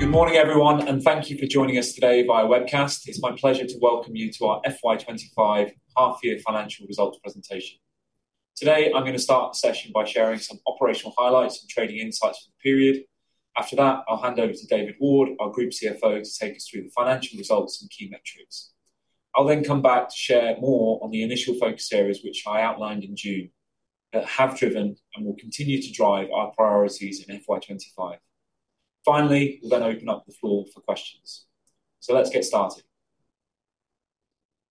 Good morning, everyone, and thank you for joining us today via webcast. It's my pleasure to welcome you to our FY25 half-year financial results presentation. Today, I'm going to start the session by sharing some operational highlights and trading insights for the period. After that, I'll hand over to David Ward, our Group CFO, to take us through the financial results and key metrics. I'll then come back to share more on the initial focus areas, which I outlined in June, that have driven and will continue to drive our priorities in FY25. Finally, we'll then open up the floor for questions. So let's get started.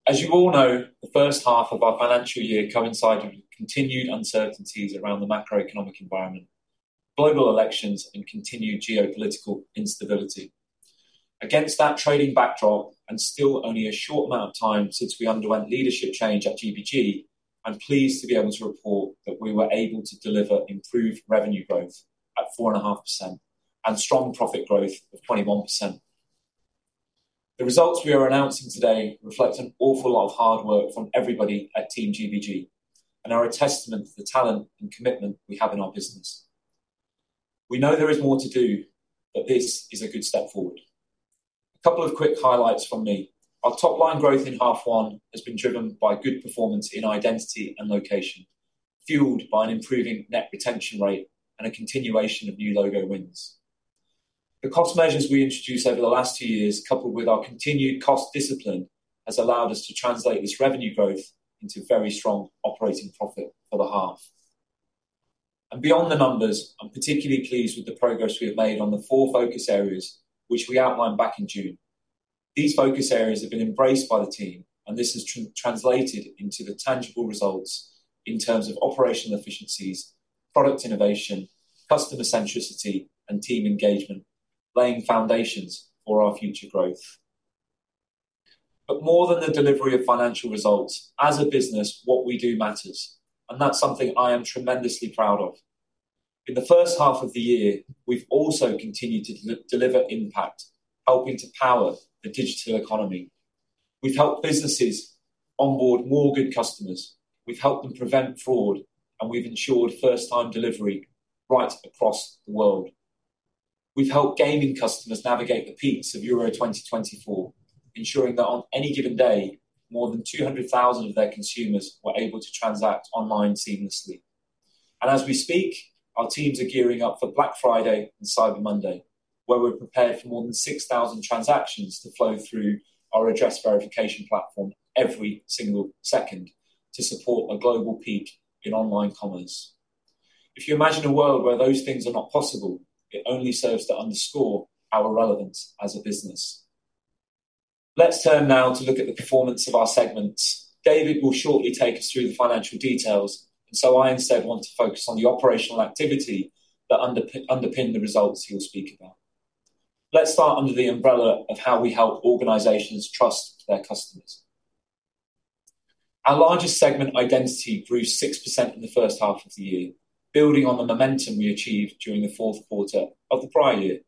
As you all know, the first half of our financial year coincided with continued uncertainties around the macroeconomic environment, global elections, and continued geopolitical instability. Against that trading backdrop, and still only a short amount of time since we underwent leadership change at GBG, I'm pleased to be able to report that we were able to deliver improved revenue growth at 4.5% and strong profit growth of 21%. The results we are announcing today reflect an awful lot of hard work from everybody at Team GBG and are a testament to the talent and commitment we have in our business. We know there is more to do, but this is a good step forward. A couple of quick highlights from me. Our top-line growth in half one has been driven by good performance in identity and location, fueled by an improving net retention rate and a continuation of new logo wins. The cost measures we introduced over the last two years, coupled with our continued cost discipline, have allowed us to translate this revenue growth into very strong operating profit for the half. And beyond the numbers, I'm particularly pleased with the progress we have made on the four focus areas, which we outlined back in June. These focus areas have been embraced by the team, and this has translated into the tangible results in terms of operational efficiencies, product innovation, customer centricity, and team engagement, laying foundations for our future growth. But more than the delivery of financial results, as a business, what we do matters, and that's something I am tremendously proud of. In the first half of the year, we've also continued to deliver impact, helping to power the digital economy. We've helped businesses onboard more good customers. We've helped them prevent fraud, and we've ensured first-time delivery right across the world. We've helped gaming customers navigate the peaks of Euro 2024, ensuring that on any given day, more than 200,000 of their consumers were able to transact online seamlessly. And as we speak, our teams are gearing up for Black Friday and Cyber Monday, where we're prepared for more than 6,000 transactions to flow through our address verification platform every single second to support a global peak in online commerce. If you imagine a world where those things are not possible, it only serves to underscore our relevance as a business. Let's turn now to look at the performance of our segments. David will shortly take us through the financial details, and so I instead want to focus on the operational activity that underpins the results he'll speak about. Let's start under the umbrella of how we help organizations trust their customers. Our largest segment, identity, grew 6% in the first half of the year, building on the momentum we achieved during the fourth quarter of the prior year.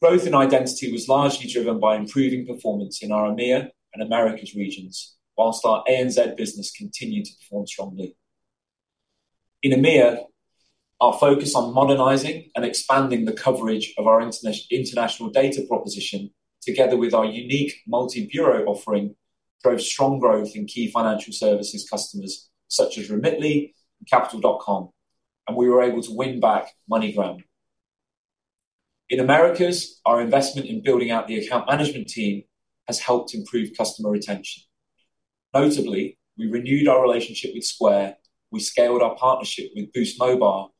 Growth in identity was largely driven by improving performance in our EMEA and Americas regions, while our ANZ business continued to perform strongly. In EMEA, our focus on modernizing and expanding the coverage of our international data proposition, together with our unique multi-bureau offering, drove strong growth in key financial services customers such as Remitly and Capital.com, and we were able to win back MoneyGram. In Americas, our investment in building out the account management team has helped improve customer retention. Notably, we renewed our relationship with Square, we scaled our partnership with Boost Mobile,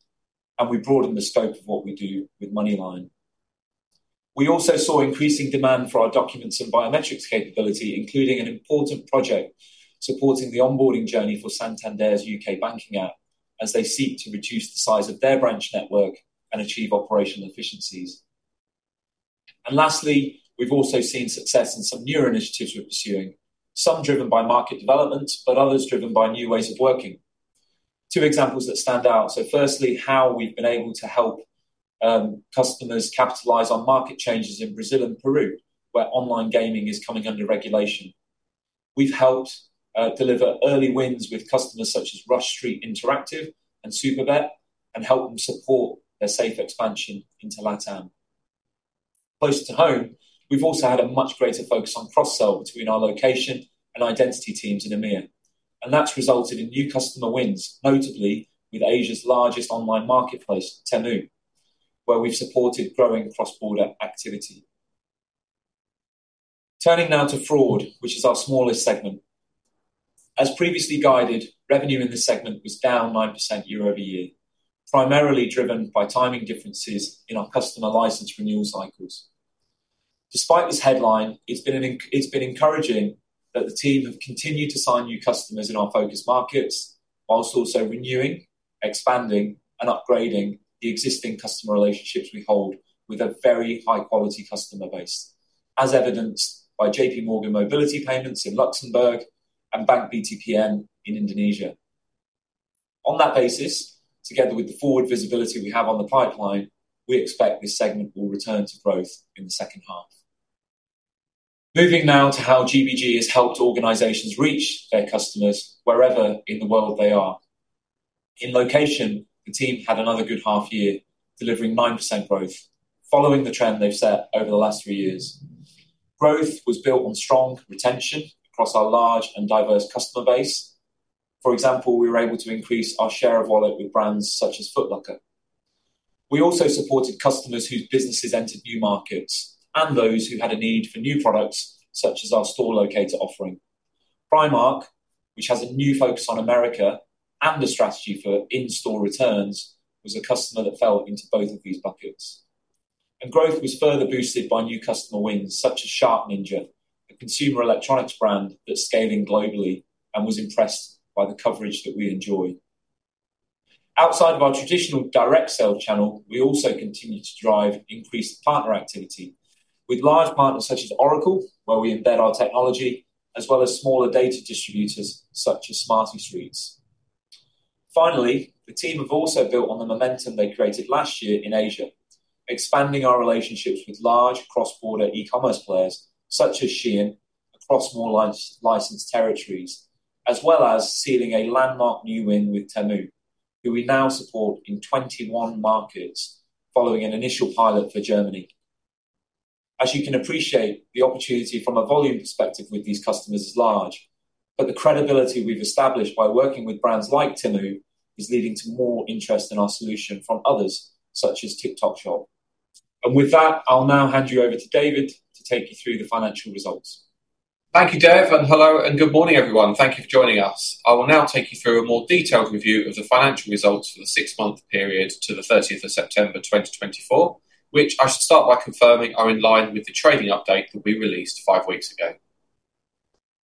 and we broadened the scope of what we do with MoneyLion. We also saw increasing demand for our documents and biometrics capability, including an important project supporting the onboarding journey for Santander's U.K. banking app as they seek to reduce the size of their branch network and achieve operational efficiencies. And lastly, we've also seen success in some new initiatives we're pursuing, some driven by market development, but others driven by new ways of working. Two examples that stand out. So firstly, how we've been able to help customers capitalize on market changes in Brazil and Peru, where online gaming is coming under regulation. We've helped deliver early wins with customers such as Rush Street Interactive and Superbet and helped them support their safe expansion into LATAM. Closer to home, we've also had a much greater focus on cross-sell between our location and identity teams in EMEA, and that's resulted in new customer wins, notably with Asia's largest online marketplace, Temu, where we've supported growing cross-border activity. Turning now to fraud, which is our smallest segment. As previously guided, revenue in this segment was down 9% year over year, primarily driven by timing differences in our customer license renewal cycles. Despite this headline, it's been encouraging that the team have continued to sign new customers in our focus markets, whilst also renewing, expanding, and upgrading the existing customer relationships we hold with a very high-quality customer base, as evidenced by J.P. Morgan Mobility Payments in Luxembourg and Bank BTPN in Indonesia. On that basis, together with the forward visibility we have on the pipeline, we expect this segment will return to growth in the second half. Moving now to how GBG has helped organizations reach their customers wherever in the world they are. In location, the team had another good half year, delivering 9% growth, following the trend they've set over the last three years. Growth was built on strong retention across our large and diverse customer base. For example, we were able to increase our share of wallet with brands such as Foot Locker. We also supported customers whose businesses entered new markets and those who had a need for new products such as our store locator offering. Primark, which has a new focus on Americas and a strategy for in-store returns, was a customer that fell into both of these buckets, and growth was further boosted by new customer wins such as SharkNinja, a consumer electronics brand that's scaling globally and was impressed by the coverage that we enjoy. Outside of our traditional direct sale channel, we also continue to drive increased partner activity with large partners such as Oracle, where we embed our technology, as well as smaller data distributors such as SmartyStreets. Finally, the team have also built on the momentum they created last year in Asia, expanding our relationships with large cross-border e-commerce players such as Shein across more licensed territories, as well as sealing a landmark new win with Temu, who we now support in 21 markets, following an initial pilot for Germany. As you can appreciate, the opportunity from a volume perspective with these customers is large, but the credibility we've established by working with brands like Temu is leading to more interest in our solution from others such as TikTok Shop, and with that, I'll now hand you over to David to take you through the financial results. Thank you, Dev, and hello and good morning, everyone. Thank you for joining us. I will now take you through a more detailed review of the financial results for the six-month period to the 30th of September 2024, which I should start by confirming are in line with the trading update that we released five weeks ago.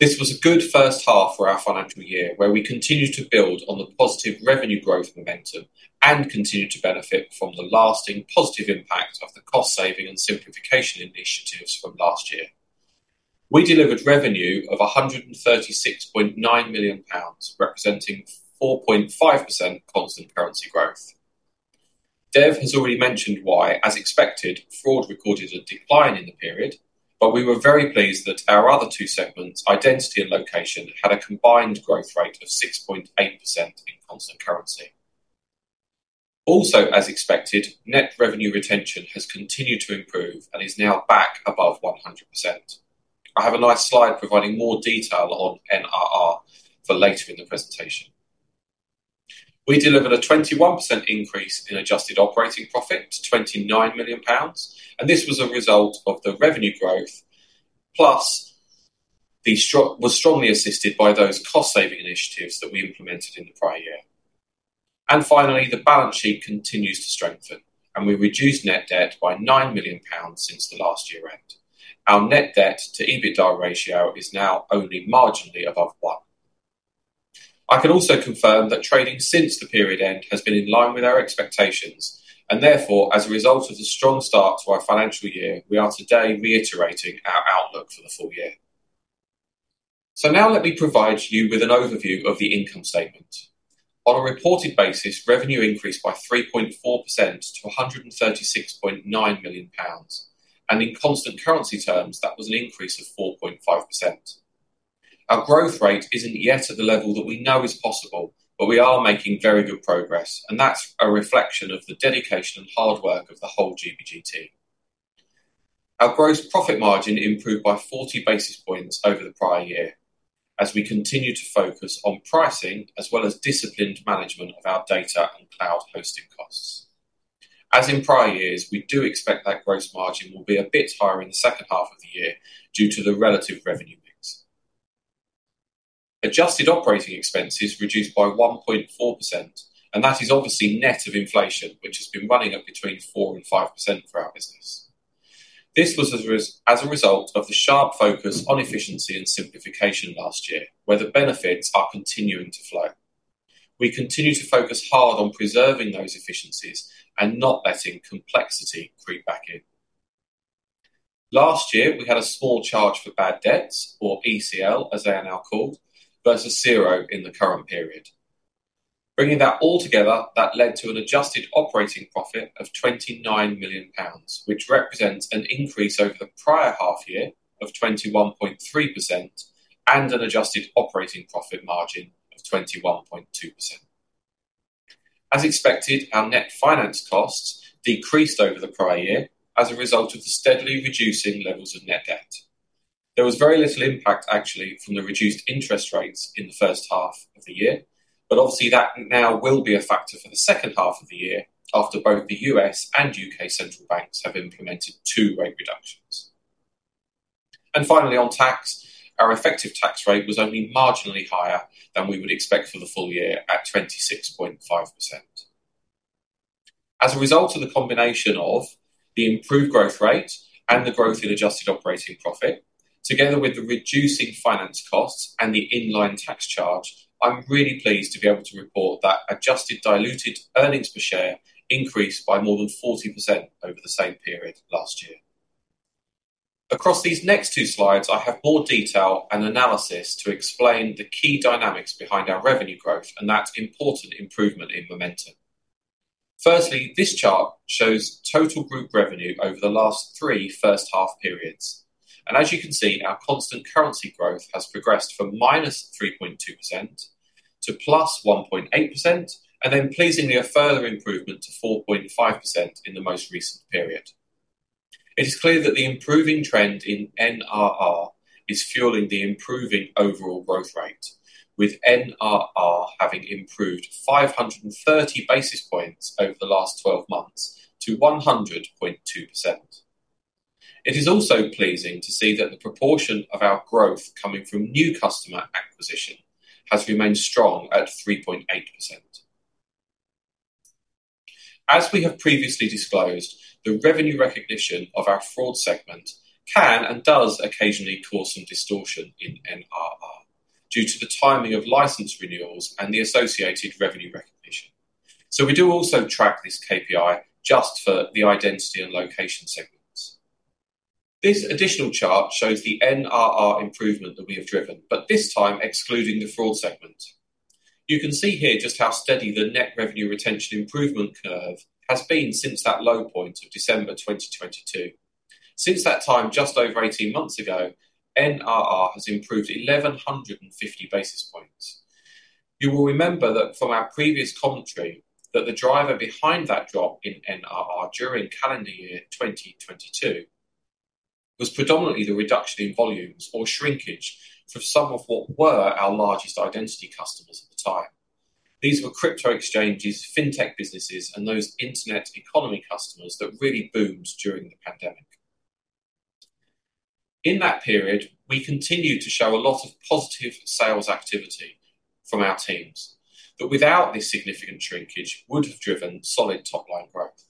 This was a good first half for our financial year, where we continued to build on the positive revenue growth momentum and continued to benefit from the lasting positive impact of the cost-saving and simplification initiatives from last year. We delivered revenue of 136.9 million pounds, representing 4.5% constant currency growth. Dev has already mentioned why, as expected, fraud recorded a decline in the period, but we were very pleased that our other two segments, identity and location, had a combined growth rate of 6.8% in constant currency. Also, as expected, net revenue retention has continued to improve and is now back above 100%. I have a nice slide providing more detail on NRR for later in the presentation. We delivered a 21% increase in adjusted operating profit to £29 million, and this was a result of the revenue growth, plus was strongly assisted by those cost-saving initiatives that we implemented in the prior year. And finally, the balance sheet continues to strengthen, and we reduced net debt by £9 million since the last year-end. Our net debt to EBITDA ratio is now only marginally above one. I can also confirm that trading since the period end has been in line with our expectations, and therefore, as a result of the strong start to our financial year, we are today reiterating our outlook for the full year. Now let me provide you with an overview of the income statement. On a reported basis, revenue increased by 3.4% to £136.9 million, and in constant currency terms, that was an increase of 4.5%. Our growth rate isn't yet at the level that we know is possible, but we are making very good progress, and that's a reflection of the dedication and hard work of the whole GBG team. Our gross profit margin improved by 40 basis points over the prior year as we continue to focus on pricing as well as disciplined management of our data and cloud hosting costs. As in prior years, we do expect that gross margin will be a bit higher in the second half of the year due to the relative revenue mix. Adjusted operating expenses reduced by 1.4%, and that is obviously net of inflation, which has been running at between 4% and 5% for our business. This was as a result of the sharp focus on efficiency and simplification last year, where the benefits are continuing to flow. We continue to focus hard on preserving those efficiencies and not letting complexity creep back in. Last year, we had a small charge for bad debts, or ECL, as they are now called, versus zero in the current period. Bringing that all together, that led to an adjusted operating profit of 29 million pounds, which represents an increase over the prior half year of 21.3% and an adjusted operating profit margin of 21.2%. As expected, our net finance costs decreased over the prior year as a result of the steadily reducing levels of net debt. There was very little impact, actually, from the reduced interest rates in the first half of the year, but obviously that now will be a factor for the second half of the year after both the U.S. and U.K. central banks have implemented two rate reductions. And finally, on tax, our effective tax rate was only marginally higher than we would expect for the full year at 26.5%. As a result of the combination of the improved growth rate and the growth in adjusted operating profit, together with the reducing finance costs and the inline tax charge, I'm really pleased to be able to report that adjusted diluted earnings per share increased by more than 40% over the same period last year. Across these next two slides, I have more detail and analysis to explain the key dynamics behind our revenue growth and that important improvement in momentum. Firstly, this chart shows total group revenue over the last three first half periods. As you can see, our constant currency growth has progressed from minus 3.2% to plus 1.8%, and then pleasingly a further improvement to 4.5% in the most recent period. It is clear that the improving trend in NRR is fueling the improving overall growth rate, with NRR having improved 530 basis points over the last 12 months to 100.2%. It is also pleasing to see that the proportion of our growth coming from new customer acquisition has remained strong at 3.8%. As we have previously disclosed, the revenue recognition of our fraud segment can and does occasionally cause some distortion in NRR due to the timing of license renewals and the associated revenue recognition. We do also track this KPI just for the identity and location segments. This additional chart shows the NRR improvement that we have driven, but this time excluding the fraud segment. You can see here just how steady the net revenue retention improvement curve has been since that low point of December 2022. Since that time, just over 18 months ago, NRR has improved 1,150 basis points. You will remember that from our previous commentary, that the driver behind that drop in NRR during calendar year 2022 was predominantly the reduction in volumes or shrinkage for some of what were our largest identity customers at the time. These were crypto exchanges, fintech businesses, and those internet economy customers that really boomed during the pandemic. In that period, we continued to show a lot of positive sales activity from our teams that, without this significant shrinkage, would have driven solid top-line growth.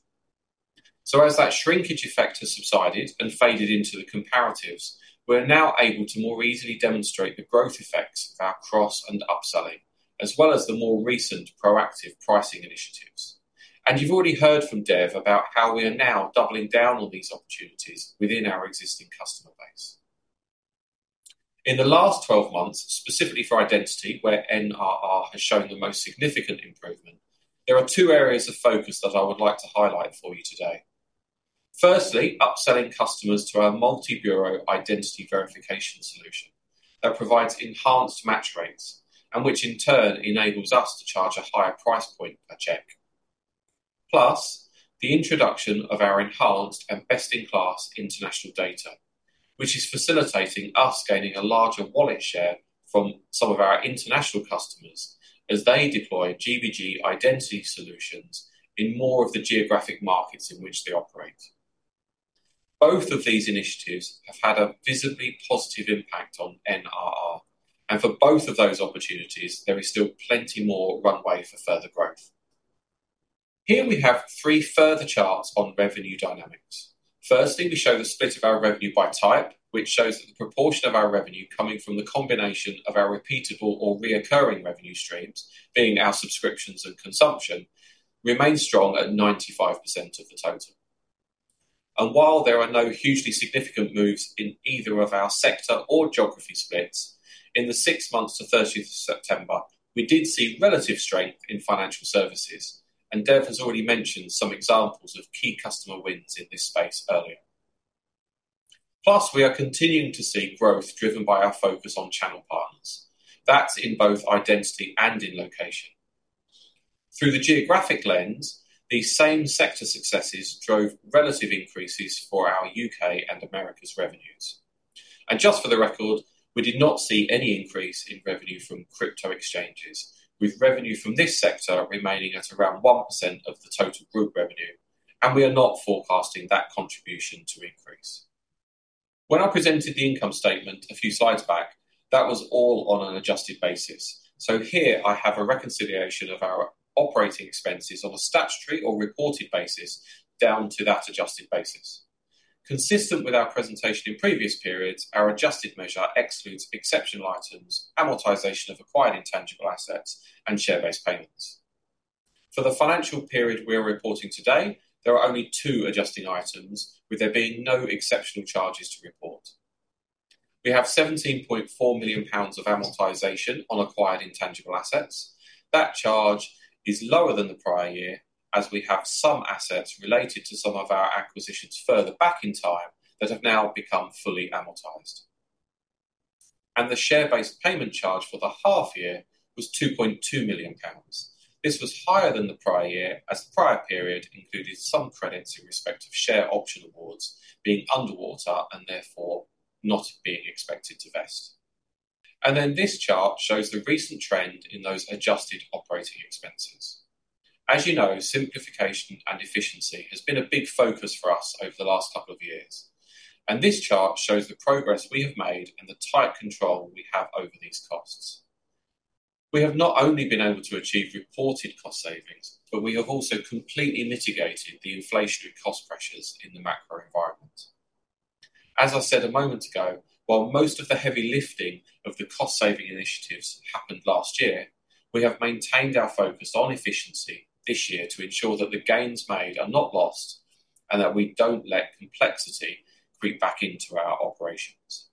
So as that shrinkage effect has subsided and faded into the comparatives, we're now able to more easily demonstrate the growth effects of our cross and upselling, as well as the more recent proactive pricing initiatives. And you've already heard from Dev about how we are now doubling down on these opportunities within our existing customer base. In the last 12 months, specifically for identity, where NRR has shown the most significant improvement, there are two areas of focus that I would like to highlight for you today. Firstly, upselling customers to our multi-bureau identity verification solution that provides enhanced match rates and which in turn enables us to charge a higher price point per check. Plus, the introduction of our enhanced and best-in-class international data, which is facilitating us gaining a larger wallet share from some of our international customers as they deploy GBG identity solutions in more of the geographic markets in which they operate. Both of these initiatives have had a visibly positive impact on NRR, and for both of those opportunities, there is still plenty more runway for further growth. Here we have three further charts on revenue dynamics. Firstly, we show the split of our revenue by type, which shows that the proportion of our revenue coming from the combination of our repeatable or recurring revenue streams, being our subscriptions and consumption, remains strong at 95% of the total. While there are no hugely significant moves in either of our sector or geography splits, in the six months to 30th of September, we did see relative strength in financial services, and Dev has already mentioned some examples of key customer wins in this space earlier. Plus, we are continuing to see growth driven by our focus on channel partners. That's in both identity and in location. Through the geographic lens, these same sector successes drove relative increases for our UK and Americas revenues. Just for the record, we did not see any increase in revenue from crypto exchanges, with revenue from this sector remaining at around 1% of the total group revenue, and we are not forecasting that contribution to increase. When I presented the income statement a few slides back, that was all on an adjusted basis. So here, I have a reconciliation of our operating expenses on a statutory or reported basis down to that adjusted basis. Consistent with our presentation in previous periods, our adjusted measure excludes exceptional items, amortization of acquired intangible assets, and share-based payments. For the financial period we are reporting today, there are only two adjusting items, with there being no exceptional charges to report. We have 17.4 million pounds of amortization on acquired intangible assets. That charge is lower than the prior year as we have some assets related to some of our acquisitions further back in time that have now become fully amortized. And the share-based payment charge for the half year was 2.2 million pounds. This was higher than the prior year as the prior period included some credits in respect of share option awards being underwater and therefore not being expected to vest. And then this chart shows the recent trend in those adjusted operating expenses. As you know, simplification and efficiency has been a big focus for us over the last couple of years, and this chart shows the progress we have made and the tight control we have over these costs. We have not only been able to achieve reported cost savings, but we have also completely mitigated the inflationary cost pressures in the macro environment. As I said a moment ago, while most of the heavy lifting of the cost-saving initiatives happened last year, we have maintained our focus on efficiency this year to ensure that the gains made are not lost and that we don't let complexity creep back into our operations.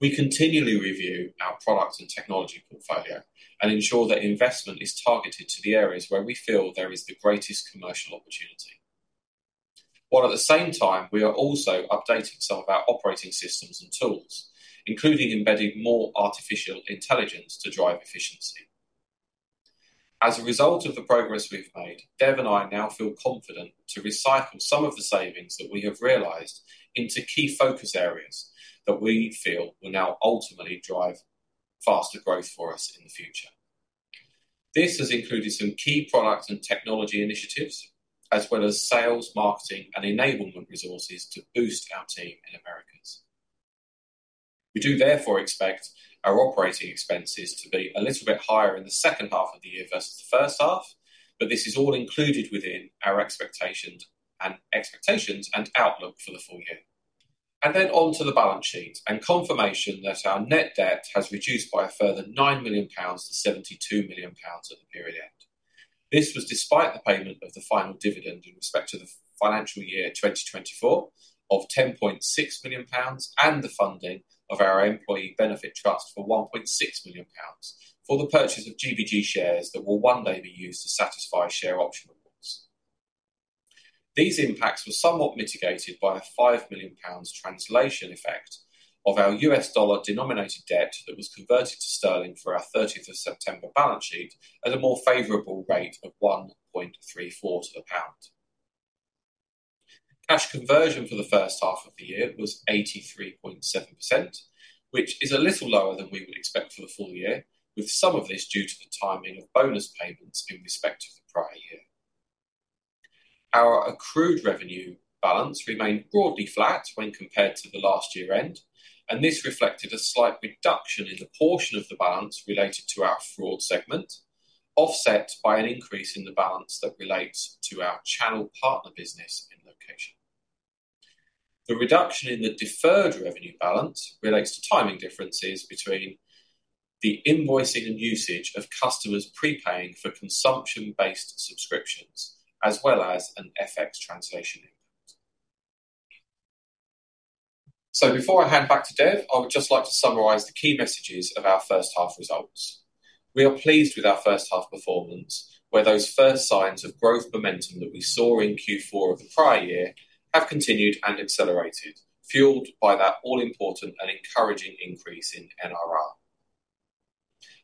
We continually review our product and technology portfolio and ensure that investment is targeted to the areas where we feel there is the greatest commercial opportunity. While at the same time, we are also updating some of our operating systems and tools, including embedding more artificial intelligence to drive efficiency. As a result of the progress we've made, Dev and I now feel confident to recycle some of the savings that we have realized into key focus areas that we feel will now ultimately drive faster growth for us in the future. This has included some key product and technology initiatives, as well as sales, marketing, and enablement resources to boost our team in Americas. We do therefore expect our operating expenses to be a little bit higher in the second half of the year versus the first half, but this is all included within our expectations and outlook for the full year. And then onto the balance sheet and confirmation that our net debt has reduced by a further 9 million pounds to 72 million pounds at the period end. This was despite the payment of the final dividend in respect to the financial year 2024 of GBP 10.6 million and the funding of our employee benefit trust for GBP 1.6 million for the purchase of GBG shares that will one day be used to satisfy share option awards. These impacts were somewhat mitigated by a 5 million pounds translation effect of our US dollar denominated debt that was converted to sterling for our 30th of September balance sheet at a more favorable rate of 1.34. Cash conversion for the first half of the year was 83.7%, which is a little lower than we would expect for the full year, with some of this due to the timing of bonus payments in respect to the prior year. Our accrued revenue balance remained broadly flat when compared to the last year end, and this reflected a slight reduction in the portion of the balance related to our fraud segment, offset by an increase in the balance that relates to our channel partner business in location. The reduction in the deferred revenue balance relates to timing differences between the invoicing and usage of customers prepaying for consumption-based subscriptions, as well as an FX translation input. Before I hand back to Dev, I would just like to summarize the key messages of our first half results. We are pleased with our first half performance, where those first signs of growth momentum that we saw in Q4 of the prior year have continued and accelerated, fueled by that all-important and encouraging increase in NRR.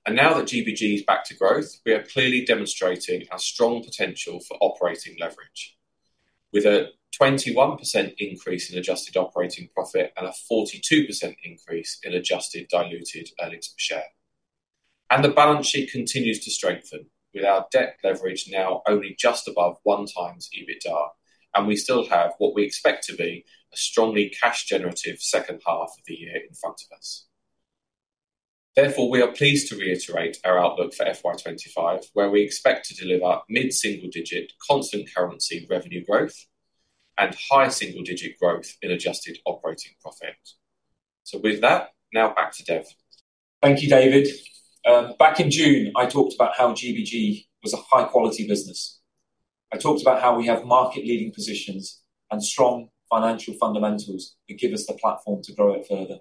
Now that GBG is back to growth, we are clearly demonstrating our strong potential for operating leverage, with a 21% increase in adjusted operating profit and a 42% increase in adjusted diluted earnings per share. The balance sheet continues to strengthen, with our debt leverage now only just above one times EBITDA, and we still have what we expect to be a strongly cash-generative second half of the year in front of us. Therefore, we are pleased to reiterate our outlook for FY25, where we expect to deliver mid-single-digit constant currency revenue growth and high single-digit growth in adjusted operating profit. With that, now back to Dev. Thank you, David. Back in June, I talked about how GBG was a high-quality business. I talked about how we have market-leading positions and strong financial fundamentals that give us the platform to grow it further.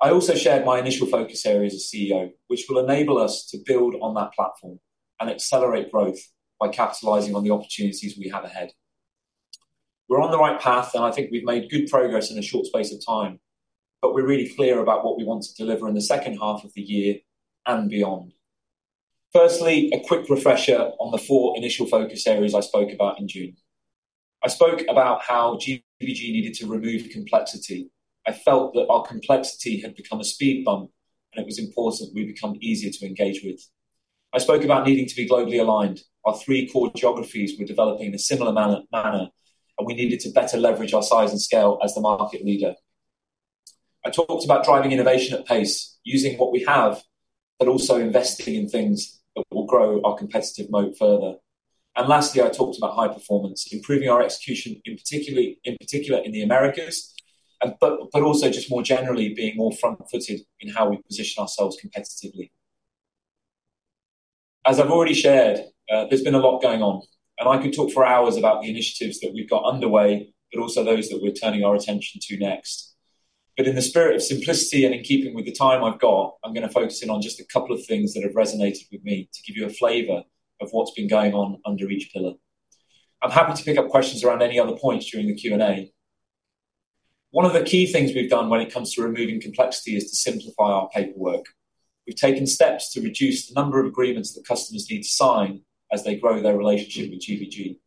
I also shared my initial focus areas as CEO, which will enable us to build on that platform and accelerate growth by capitalizing on the opportunities we have ahead. We're on the right path, and I think we've made good progress in a short space of time, but we're really clear about what we want to deliver in the second half of the year and beyond. Firstly, a quick refresher on the four initial focus areas I spoke about in June. I spoke about how GBG needed to remove complexity. I felt that our complexity had become a speed bump, and it was important we become easier to engage with. I spoke about needing to be globally aligned. Our three core geographies were developing in a similar manner, and we needed to better leverage our size and scale as the market leader. I talked about driving innovation at pace, using what we have, but also investing in things that will grow our competitive moat further, and lastly, I talked about high performance, improving our execution, in particular in the Americas, but also just more generally being more front-footed in how we position ourselves competitively. As I've already shared, there's been a lot going on, and I could talk for hours about the initiatives that we've got underway, but also those that we're turning our attention to next, but in the spirit of simplicity and in keeping with the time I've got, I'm going to focus in on just a couple of things that have resonated with me to give you a flavor of what's been going on under each pillar. I'm happy to pick up questions around any other points during the Q&A. One of the key things we've done when it comes to removing complexity is to simplify our paperwork. We've taken steps to reduce the number of agreements that customers need to sign as they grow their relationship with GBG.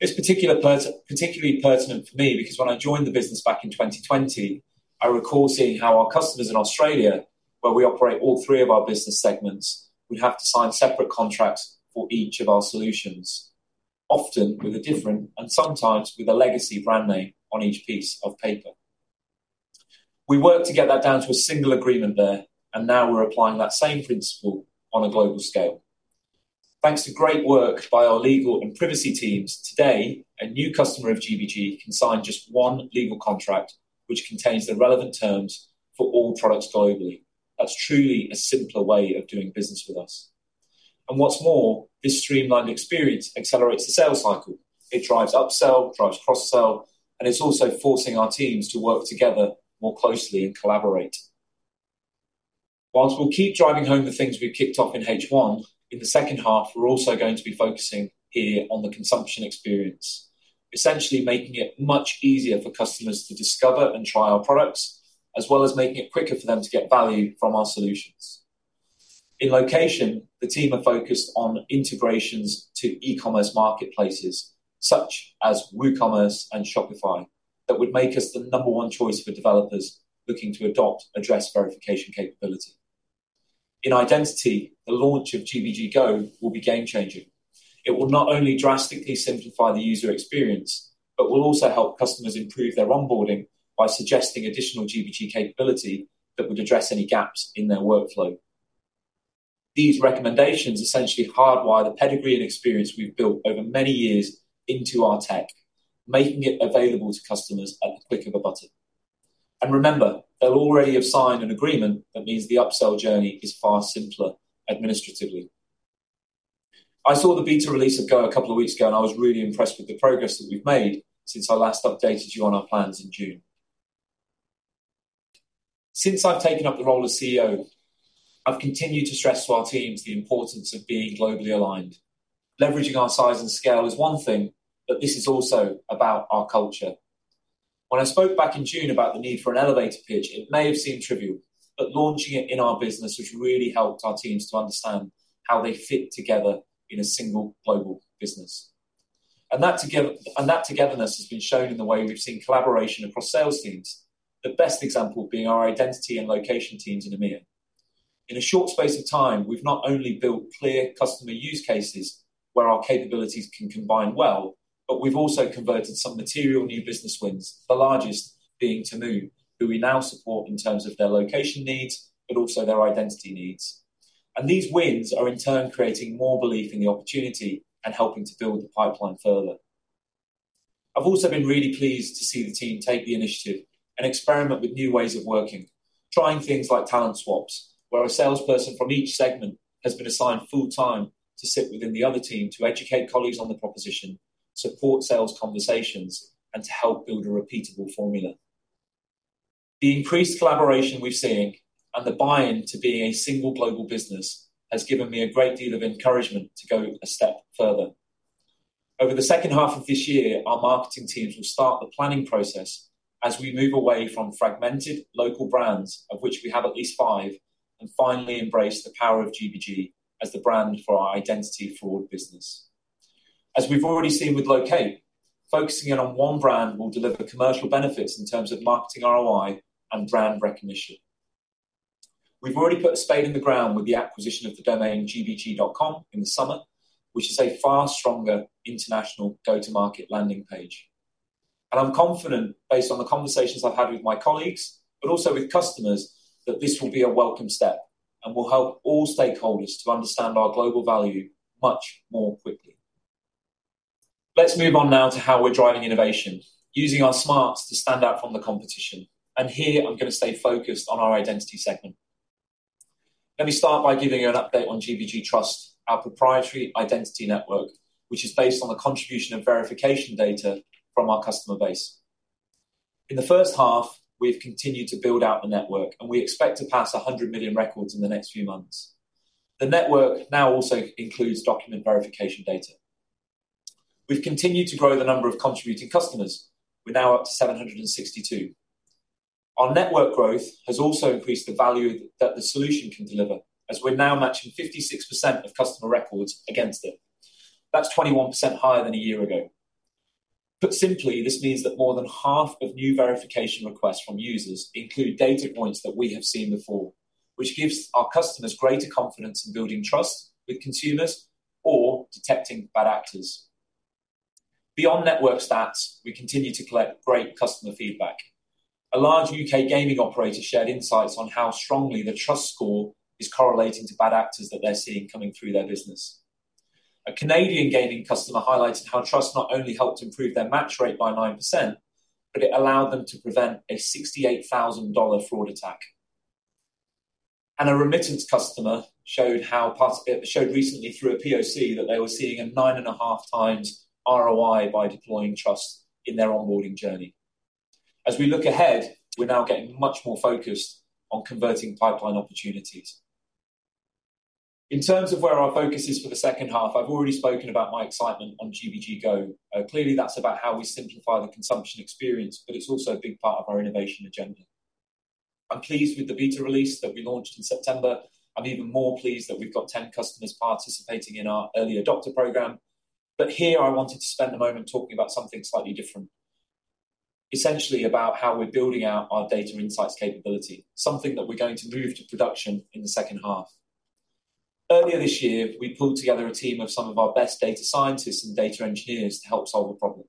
This is particularly pertinent for me because when I joined the business back in 2020, I recall seeing how our customers in Australia, where we operate all three of our business segments, would have to sign separate contracts for each of our solutions, often with a different and sometimes with a legacy brand name on each piece of paper. We worked to get that down to a single agreement there, and now we're applying that same principle on a global scale. Thanks to great work by our legal and privacy teams, today, a new customer of GBG can sign just one legal contract, which contains the relevant terms for all products globally. That's truly a simpler way of doing business with us. And what's more, this streamlined experience accelerates the sales cycle. It drives upsell, drives cross-sell, and it's also forcing our teams to work together more closely and collaborate. Whilst we'll keep driving home the things we've kicked off in H1, in the second half, we're also going to be focusing here on the consumption experience, essentially making it much easier for customers to discover and try our products, as well as making it quicker for them to get value from our solutions. In location, the team are focused on integrations to e-commerce marketplaces such as WooCommerce and Shopify that would make us the number one choice for developers looking to adopt address verification capability. In identity, the launch of GBG Go will be game-changing. It will not only drastically simplify the user experience, but will also help customers improve their onboarding by suggesting additional GBG capability that would address any gaps in their workflow. These recommendations essentially hardwire the pedigree and experience we've built over many years into our tech, making it available to customers at the click of a button, and remember, they'll already have signed an agreement that means the upsell journey is far simpler administratively. I saw the beta release of Go a couple of weeks ago, and I was really impressed with the progress that we've made since I last updated you on our plans in June. Since I've taken up the role of CEO, I've continued to stress to our teams the importance of being globally aligned. Leveraging our size and scale is one thing, but this is also about our culture. When I spoke back in June about the need for an elevator pitch, it may have seemed trivial, but launching it in our business has really helped our teams to understand how they fit together in a single global business, and that togetherness has been shown in the way we've seen collaboration across sales teams, the best example being our identity and location teams in EMEA. In a short space of time, we've not only built clear customer use cases where our capabilities can combine well, but we've also converted some material new business wins, the largest being Temu, who we now support in terms of their location needs, but also their identity needs, and these wins are in turn creating more belief in the opportunity and helping to build the pipeline further. I've also been really pleased to see the team take the initiative and experiment with new ways of working, trying things like talent swaps, where a salesperson from each segment has been assigned full-time to sit within the other team to educate colleagues on the proposition, support sales conversations, and to help build a repeatable formula. The increased collaboration we're seeing and the buy-in to being a single global business has given me a great deal of encouragement to go a step further. Over the second half of this year, our marketing teams will start the planning process as we move away from fragmented local brands, of which we have at least five, and finally embrace the power of GBG as the brand for our identity fraud business. As we've already seen with Loqate, focusing in on one brand will deliver commercial benefits in terms of marketing ROI and brand recognition. We've already put a spade in the ground with the acquisition of the domain gbg.com in the summer, which is a far stronger international go-to-market landing page, and I'm confident, based on the conversations I've had with my colleagues, but also with customers, that this will be a welcome step and will help all stakeholders to understand our global value much more quickly. Let's move on now to how we're driving innovation, using our smarts to stand out from the competition, and here, I'm going to stay focused on our identity segment. Let me start by giving you an update on GBG Trust, our proprietary identity network, which is based on the contribution of verification data from our customer base. In the first half, we've continued to build out the network, and we expect to pass 100 million records in the next few months. The network now also includes document verification data. We've continued to grow the number of contributing customers. We're now up to 762. Our network growth has also increased the value that the solution can deliver, as we're now matching 56% of customer records against it. That's 21% higher than a year ago. Put simply, this means that more than half of new verification requests from users include data points that we have seen before, which gives our customers greater confidence in building trust with consumers or detecting bad actors. Beyond network stats, we continue to collect great customer feedback. A large UK gaming operator shared insights on how strongly the Trust score is correlating to bad actors that they're seeing coming through their business. A Canadian gaming customer highlighted how trust not only helped improve their match rate by 9%, but it allowed them to prevent a $68,000 fraud attack, and a remittance customer showed recently through a POC that they were seeing a nine and a half times ROI by deploying Trust in their onboarding journey. As we look ahead, we're now getting much more focused on converting pipeline opportunities. In terms of where our focus is for the second half, I've already spoken about my excitement on GBG Go. Clearly, that's about how we simplify the consumption experience, but it's also a big part of our innovation agenda. I'm pleased with the beta release that we launched in September. I'm even more pleased that we've got 10 customers participating in our early adopter program. But here, I wanted to spend a moment talking about something slightly different, essentially about how we're building out our data insights capability, something that we're going to move to production in the second half. Earlier this year, we pulled together a team of some of our best data scientists and data engineers to help solve a problem.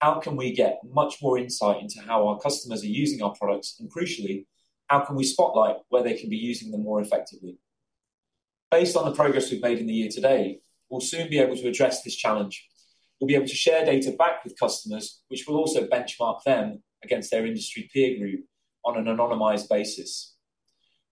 How can we get much more insight into how our customers are using our products? And crucially, how can we spotlight where they can be using them more effectively? Based on the progress we've made in the year to date, we'll soon be able to address this challenge. We'll be able to share data back with customers, which will also benchmark them against their industry peer group on an anonymized basis.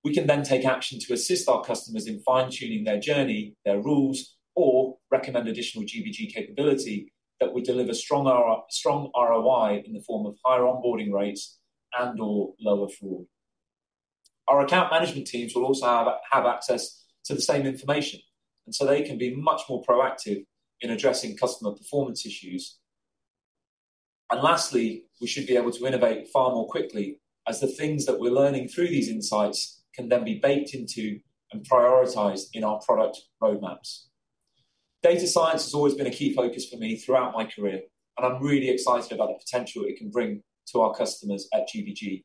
We can then take action to assist our customers in fine-tuning their journey, their rules, or recommend additional GBG capability that would deliver strong ROI in the form of higher onboarding rates and/or lower fraud. Our account management teams will also have access to the same information, and so they can be much more proactive in addressing customer performance issues, and lastly, we should be able to innovate far more quickly, as the things that we're learning through these insights can then be baked into and prioritized in our product roadmaps. Data science has always been a key focus for me throughout my career, and I'm really excited about the potential it can bring to our customers at GBG,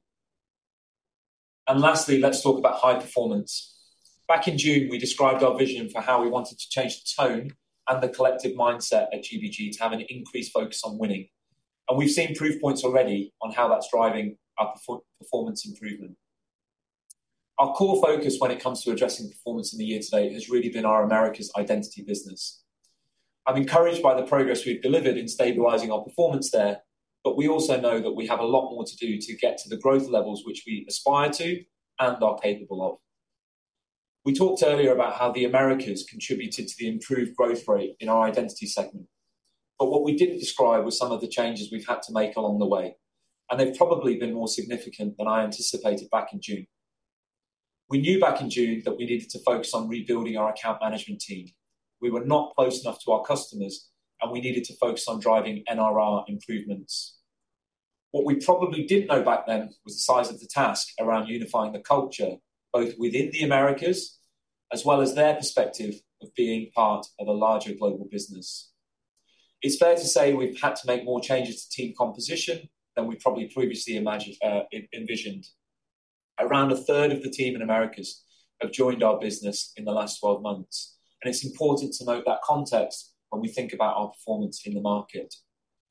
and lastly, let's talk about high performance. Back in June, we described our vision for how we wanted to change the tone and the collective mindset at GBG to have an increased focus on winning, and we've seen proof points already on how that's driving our performance improvement. Our core focus when it comes to addressing performance in the year to date has really been our Americas identity business. I'm encouraged by the progress we've delivered in stabilizing our performance there, but we also know that we have a lot more to do to get to the growth levels which we aspire to and are capable of. We talked earlier about how the Americas contributed to the improved growth rate in our identity segment, but what we didn't describe were some of the changes we've had to make along the way, and they've probably been more significant than I anticipated back in June. We knew back in June that we needed to focus on rebuilding our account management team. We were not close enough to our customers, and we needed to focus on driving NRR improvements. What we probably didn't know back then was the size of the task around unifying the culture, both within the Americas as well as their perspective of being part of a larger global business. It's fair to say we've had to make more changes to team composition than we probably previously envisioned. Around a third of the team in the Americas have joined our business in the last 12 months, and it's important to note that context when we think about our performance in the market.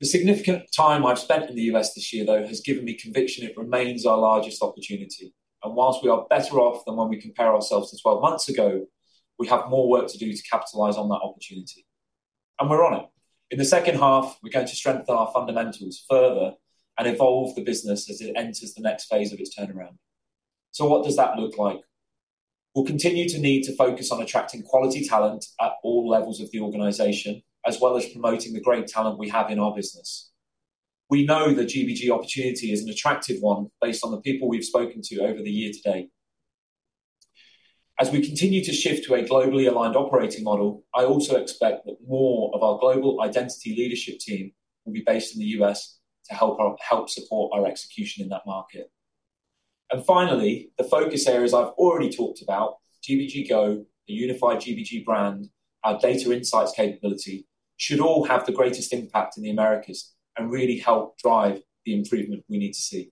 The significant time I've spent in the US this year, though, has given me conviction it remains our largest opportunity. While we are better off than when we compare ourselves to 12 months ago, we have more work to do to capitalize on that opportunity. We're on it. In the second half, we're going to strengthen our fundamentals further and evolve the business as it enters the next phase of its turnaround. What does that look like? We'll continue to need to focus on attracting quality talent at all levels of the organization, as well as promoting the great talent we have in our business. We know the GBG opportunity is an attractive one based on the people we've spoken to over the year to date. As we continue to shift to a globally aligned operating model, I also expect that more of our global identity leadership team will be based in the US to help support our execution in that market. Finally, the focus areas I've already talked about, GBG Go, the unified GBG brand, our data insights capability should all have the greatest impact in the Americas and really help drive the improvement we need to see.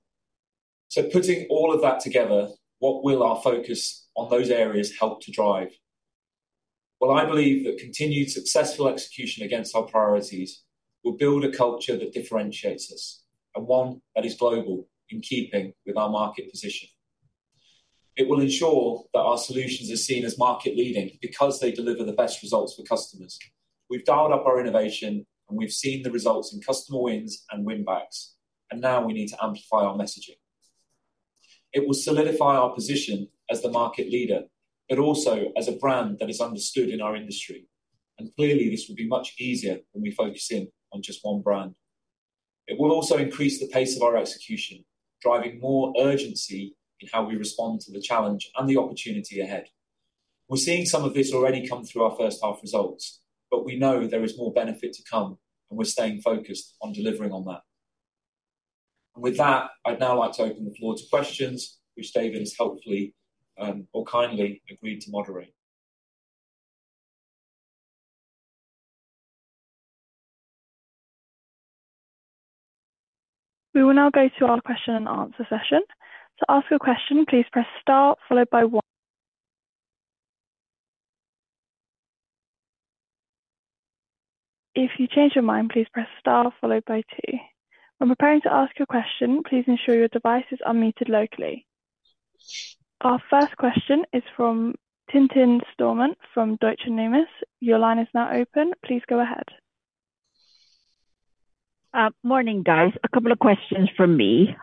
Putting all of that together, what will our focus on those areas help to drive? I believe that continued successful execution against our priorities will build a culture that differentiates us and one that is global in keeping with our market position. It will ensure that our solutions are seen as market-leading because they deliver the best results for customers. We've dialed up our innovation, and we've seen the results in customer wins and win-backs, and now we need to amplify our messaging. It will solidify our position as the market leader, but also as a brand that is understood in our industry. Clearly, this will be much easier when we focus in on just one brand. It will also increase the pace of our execution, driving more urgency in how we respond to the challenge and the opportunity ahead. We're seeing some of this already come through our first half results, but we know there is more benefit to come, and we're staying focused on delivering on that. With that, I'd now like to open the floor to questions, which David has helpfully or kindly agreed to moderate. We will now go to our question and answer session. To ask a question, please press Star, followed by 1. If you change your mind, please press Star, followed by 2. When preparing to ask your question, please ensure your device is unmuted locally. Our first question is from Tintin Stormont from Deutsche Numis. Your line is now open. Please go ahead. Morning, guys. A couple of questions for me.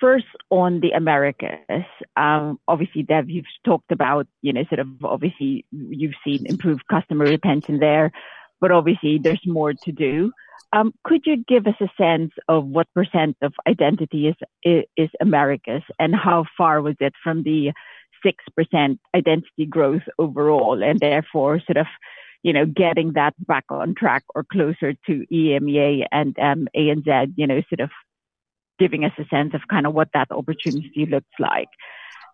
First, on the Americas. Obviously, Dev, you've talked about sort of obviously you've seen improved customer retention there, but obviously, there's more to do. Could you give us a sense of what percent of identity is Americas and how far was it from the 6% identity growth overall and therefore sort of getting that back on track or closer to EMEA and ANZ, sort of giving us a sense of kind of what that opportunity looks like?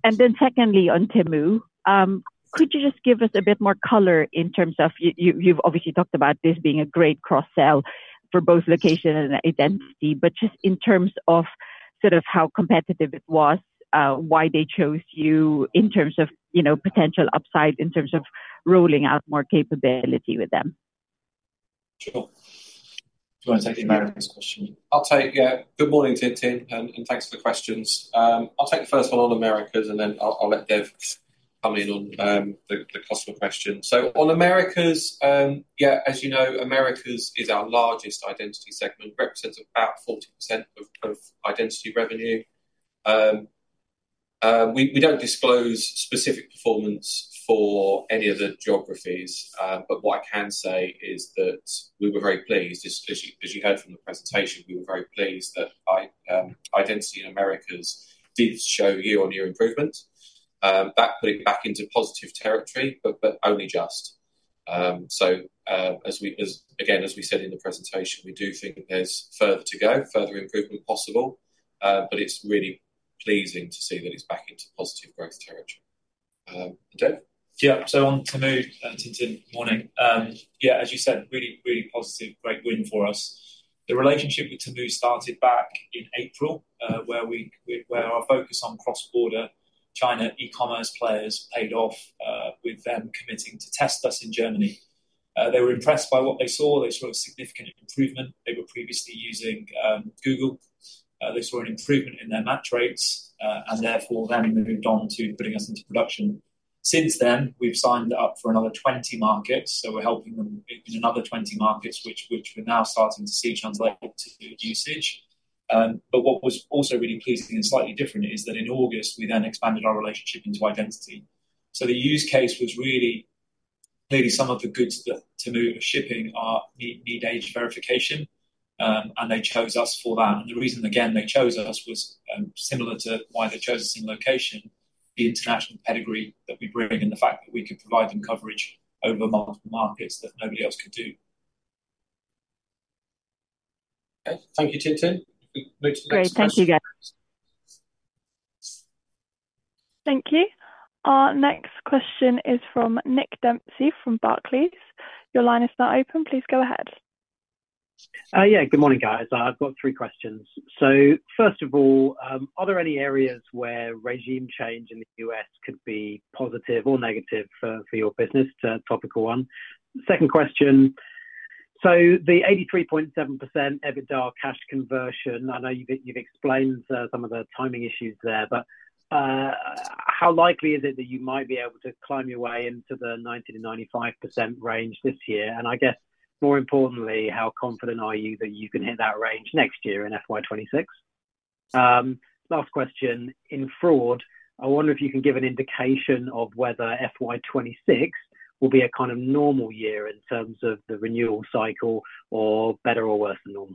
And then secondly, on Temu, could you just give us a bit more color in terms of you've obviously talked about this being a great cross-sell for both location and identity, but just in terms of sort of how competitive it was, why they chose you in terms of potential upside, in terms of rolling out more capability with them? Sure. Do you want to take the Americas question? I'll take yeah. Good morning, Tintin, and thanks for the questions. I'll take the first one on Americas, and then I'll let Dev come in on the customer question. So on Americas, yeah, as you know, Americas is our largest identity segment, represents about 40% of identity revenue. We don't disclose specific performance for any of the geographies, but what I can say is that we were very pleased. As you heard from the presentation, we were very pleased that identity in Americas did show year-on-year improvement. That put it back into positive territory, but only just. So again, as we said in the presentation, we do think there's further to go, further improvement possible, but it's really pleasing to see that it's back into positive growth territory. Dev? Yeah. So on Temu, Tintin, morning. Yeah, as you said, really, really positive, great win for us. The relationship with Temu started back in April, where our focus on cross-border China e-commerce players paid off with them committing to test us in Germany. They were impressed by what they saw. They saw a significant improvement. They were previously using Google. They saw an improvement in their match rates, and therefore then moved on to putting us into production. Since then, we've signed up for another 20 markets. So we're helping them in another 20 markets, which we're now starting to see translate into usage. But what was also really pleasing and slightly different is that in August, we then expanded our relationship into identity. So the use case was really clearly some of the goods that Temu are shipping are need age verification, and they chose us for that. And the reason, again, they chose us was similar to why they chose us in location, the international pedigree that we bring and the fact that we could provide them coverage over multiple markets that nobody else could do. Okay. Thank you, Tintin. Great to meet you guys. Thank you, guys. Thank you. Our next question is from Nick Dempsey from Barclays. Your line is now open. Please go ahead. Yeah. Good morning, guys. I've got three questions. So first of all, are there any areas where regime change in the U.S. could be positive or negative for your business? It's a topical one. Second question. So the 83.7% EBITDA cash conversion, I know you've explained some of the timing issues there, but how likely is it that you might be able to climb your way into the 90%-95% range this year? And I guess, more importantly, how confident are you that you can hit that range next year in FY26? Last question. In fraud, I wonder if you can give an indication of whether FY26 will be a kind of normal year in terms of the renewal cycle or better or worse than normal?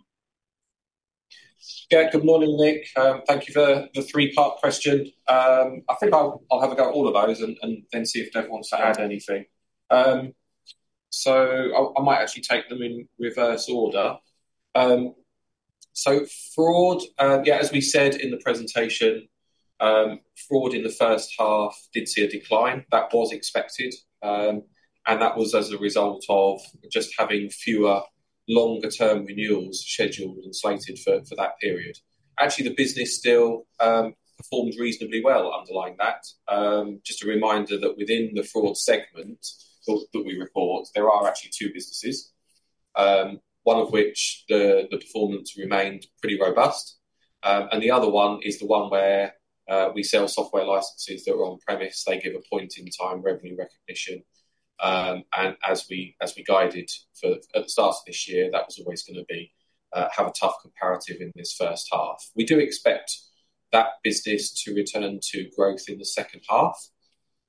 Yeah. Good morning, Nick. Thank you for the three-part question. I think I'll have a go at all of those and then see if Dev wants to add anything. So I might actually take them in reverse order. So fraud, yeah, as we said in the presentation, fraud in the first half did see a decline. That was expected, and that was as a result of just having fewer longer-term renewals scheduled and slated for that period. Actually, the business still performed reasonably well underlying that. Just a reminder that within the fraud segment that we report, there are actually two businesses, one of which, the performance remained pretty robust, and the other one is the one where we sell software licenses that are on-premise. They give a point-in-time revenue recognition. And as we guided at the start of this year, that was always going to have a tough comparative in this first half. We do expect that business to return to growth in the second half.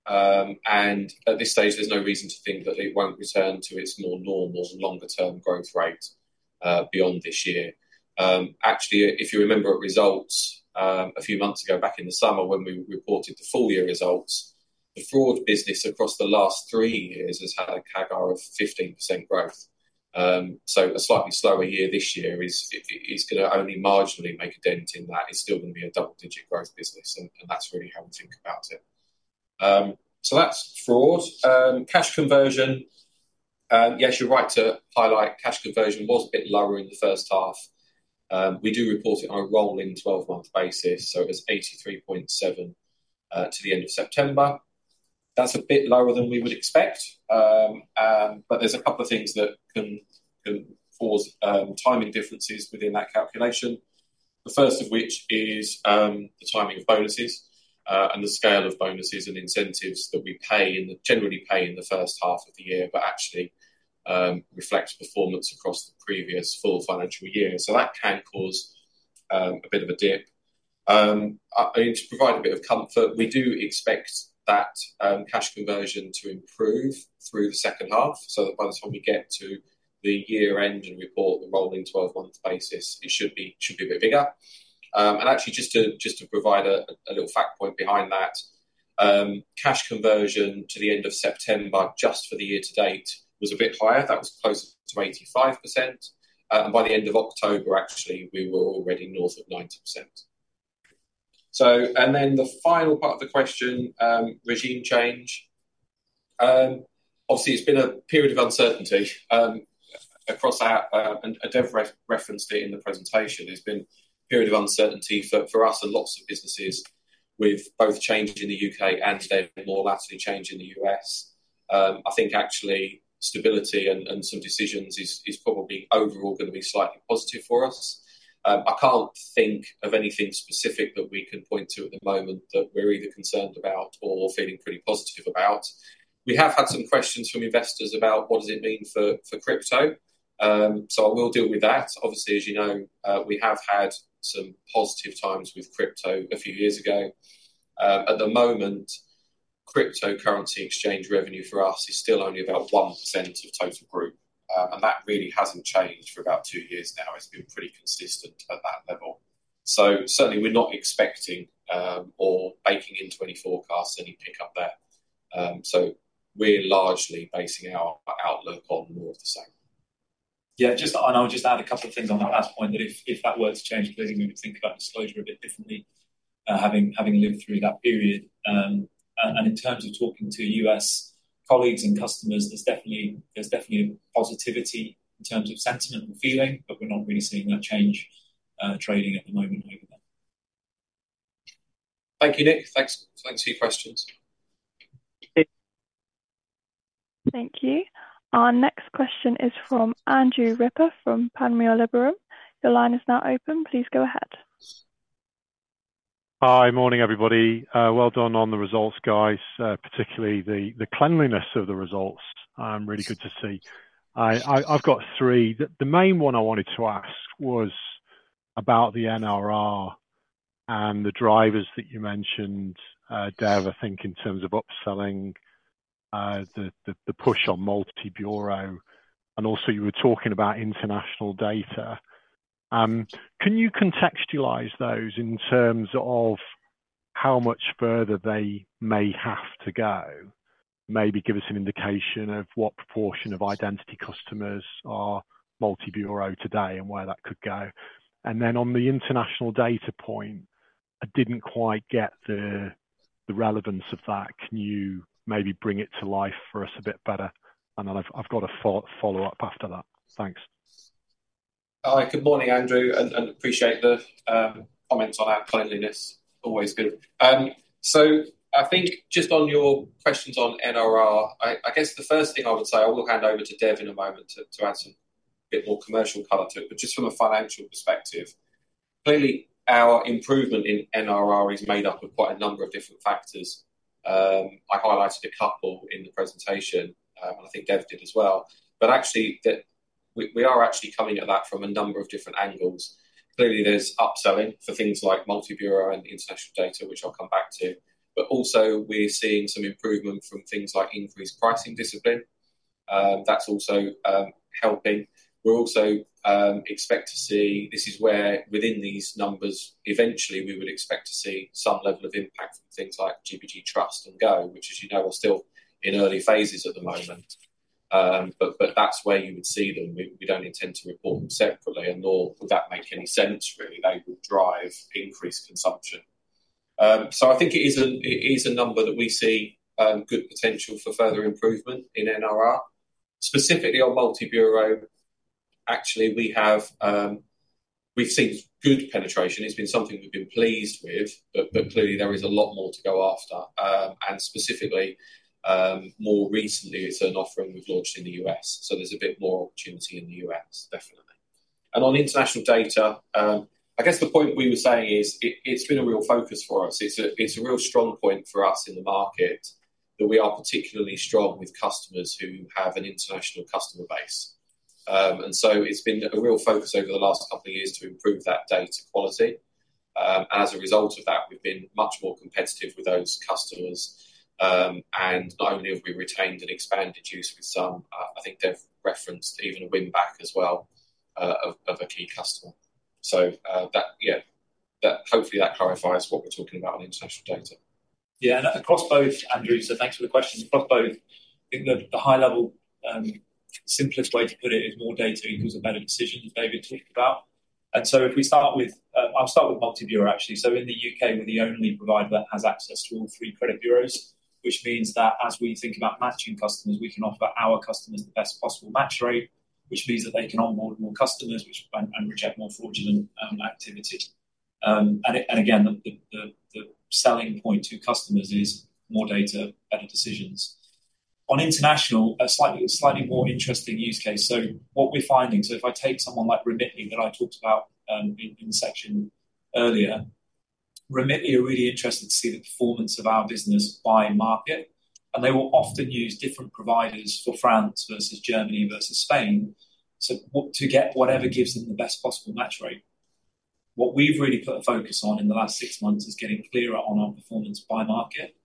And at this stage, there's no reason to think that it won't return to its more normal longer-term growth rate beyond this year. Actually, if you remember results a few months ago back in the summer when we reported the full-year results, the fraud business across the last three years has had a CAGR of 15% growth. A slightly slower year this year is going to only marginally make a dent in that. It's still going to be a double-digit growth business, and that's really how we think about it. So that's fraud. Cash conversion, yes, you're right to highlight. Cash conversion was a bit lower in the first half. We do report it on a rolling 12-month basis. So it was 83.7% to the end of September. That's a bit lower than we would expect, but there's a couple of things that can cause timing differences within that calculation. The first of which is the timing of bonuses and the scale of bonuses and incentives that we generally pay in the first half of the year, but actually reflects performance across the previous full financial year. So that can cause a bit of a dip. To provide a bit of comfort, we do expect that cash conversion to improve through the second half. So that by the time we get to the year-end and report the rolling 12-month basis, it should be a bit bigger. Actually, just to provide a little fact point behind that, cash conversion to the end of September just for the year to date was a bit higher. That was closer to 85%. By the end of October, actually, we were already north of 90%. Then the final part of the question, regime change. Obviously, it has been a period of uncertainty across that, and Dev referenced it in the presentation. It has been a period of uncertainty for us and lots of businesses with both change in the U.K. and, Dev, more latterly, change in the U.S. I think actually stability and some decisions is probably overall going to be slightly positive for us. I can't think of anything specific that we can point to at the moment that we're either concerned about or feeling pretty positive about. We have had some questions from investors about what does it mean for crypto? So I will deal with that. Obviously, as you know, we have had some positive times with crypto a few years ago. At the moment, cryptocurrency exchange revenue for us is still only about 1% of total group, and that really hasn't changed for about two years now. It's been pretty consistent at that level. So certainly, we're not expecting or baking into any forecasts any pickup there. So we're largely basing our outlook on more of the same. Yeah. And I'll just add a couple of things on that last point that if that were to change, clearly, we would think about disclosure a bit differently, having lived through that period. And in terms of talking to U.S. colleagues and customers, there's definitely a positivity in terms of sentiment and feeling, but we're not really seeing that change trading at the moment either. Thank you, Nick. Thanks for your questions. Thank you. Our next question is from Andrew Ripper from Panmure Liberum. Your line is now open. Please go ahead. Hi. Morning, everybody. Well done on the results, guys, particularly the cleanliness of the results. Really good to see. I've got three. The main one I wanted to ask was about the NRR and the drivers that you mentioned, Dev, I think, in terms of upselling, the push on multi-bureau. And also, you were talking about international data. Can you contextualize those in terms of how much further they may have to go? Maybe give us an indication of what proportion of identity customers are multi-bureau today and where that could go. And then on the international data point, I didn't quite get the relevance of that. Can you maybe bring it to life for us a bit better? And then I've got a follow-up after that. Thanks. Hi. Good morning, Andrew. And appreciate the comments on our cleanliness. Always good. So I think just on your questions on NRR, I guess the first thing I would say, I will hand over to Dev in a moment to add some bit more commercial color to it, but just from a financial perspective, clearly, our improvement in NRR is made up of quite a number of different factors. I highlighted a couple in the presentation, and I think Dev did as well. But actually, we are actually coming at that from a number of different angles. Clearly, there's upselling for things like multi-bureau and international data, which I'll come back to. But also, we're seeing some improvement from things like increased pricing discipline. That's also helping. We also expect to see this is where, within these numbers, eventually, we would expect to see some level of impact from things like GBG Trust and Go, which, as you know, are still in early phases at the moment. But that's where you would see them. We don't intend to report them separately, and nor would that make any sense, really. They would drive increased consumption. So I think it is a number that we see good potential for further improvement in NRR. Specifically on multi-bureau, actually, we've seen good penetration. It's been something we've been pleased with, but clearly, there is a lot more to go after. Specifically, more recently, it's an offering we've launched in the U.S. There's a bit more opportunity in the U.S., definitely. On international data, I guess the point we were saying is it's been a real focus for us. It's a real strong point for us in the market that we are particularly strong with customers who have an international customer base. It's been a real focus over the last couple of years to improve that data quality. As a result of that, we've been much more competitive with those customers. Not only have we retained and expanded use with some, I think Dev referenced even a win-back as well of a key customer. Yeah, hopefully, that clarifies what we're talking about on international data. Yeah. Across both, Andrew, so thanks for the question. Across both, I think the high-level, simplest way to put it is more data equals a better decision, as David talked about. And so if we start with I'll start with multi-bureau, actually. So in the U.K., we're the only provider that has access to all three credit bureaus, which means that as we think about matching customers, we can offer our customers the best possible match rate, which means that they can onboard more customers and reject more fraudulent activity. And again, the selling point to customers is more data, better decisions. On international, a slightly more interesting use case. So what we're finding, if I take someone like Remitly that I talked about in the section earlier, Remitly are really interested to see the performance of our business by market. And they will often use different providers for France versus Germany versus Spain to get whatever gives them the best possible match rate. What we've really put a focus on in the last six months is getting clearer on our performance by market,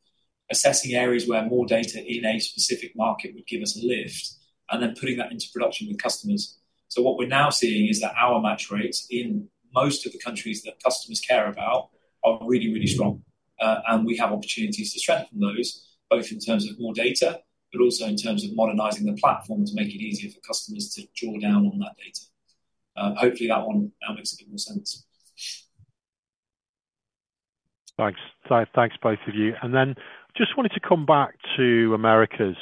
assessing areas where more data in a specific market would give us a lift, and then putting that into production with customers. So what we're now seeing is that our match rates in most of the countries that customers care about are really, really strong. And we have opportunities to strengthen those, both in terms of more data, but also in terms of modernizing the platform to make it easier for customers to draw down on that data. Hopefully, that one now makes a bit more sense. Thanks. Thanks, both of you. And then I just wanted to come back to Americas.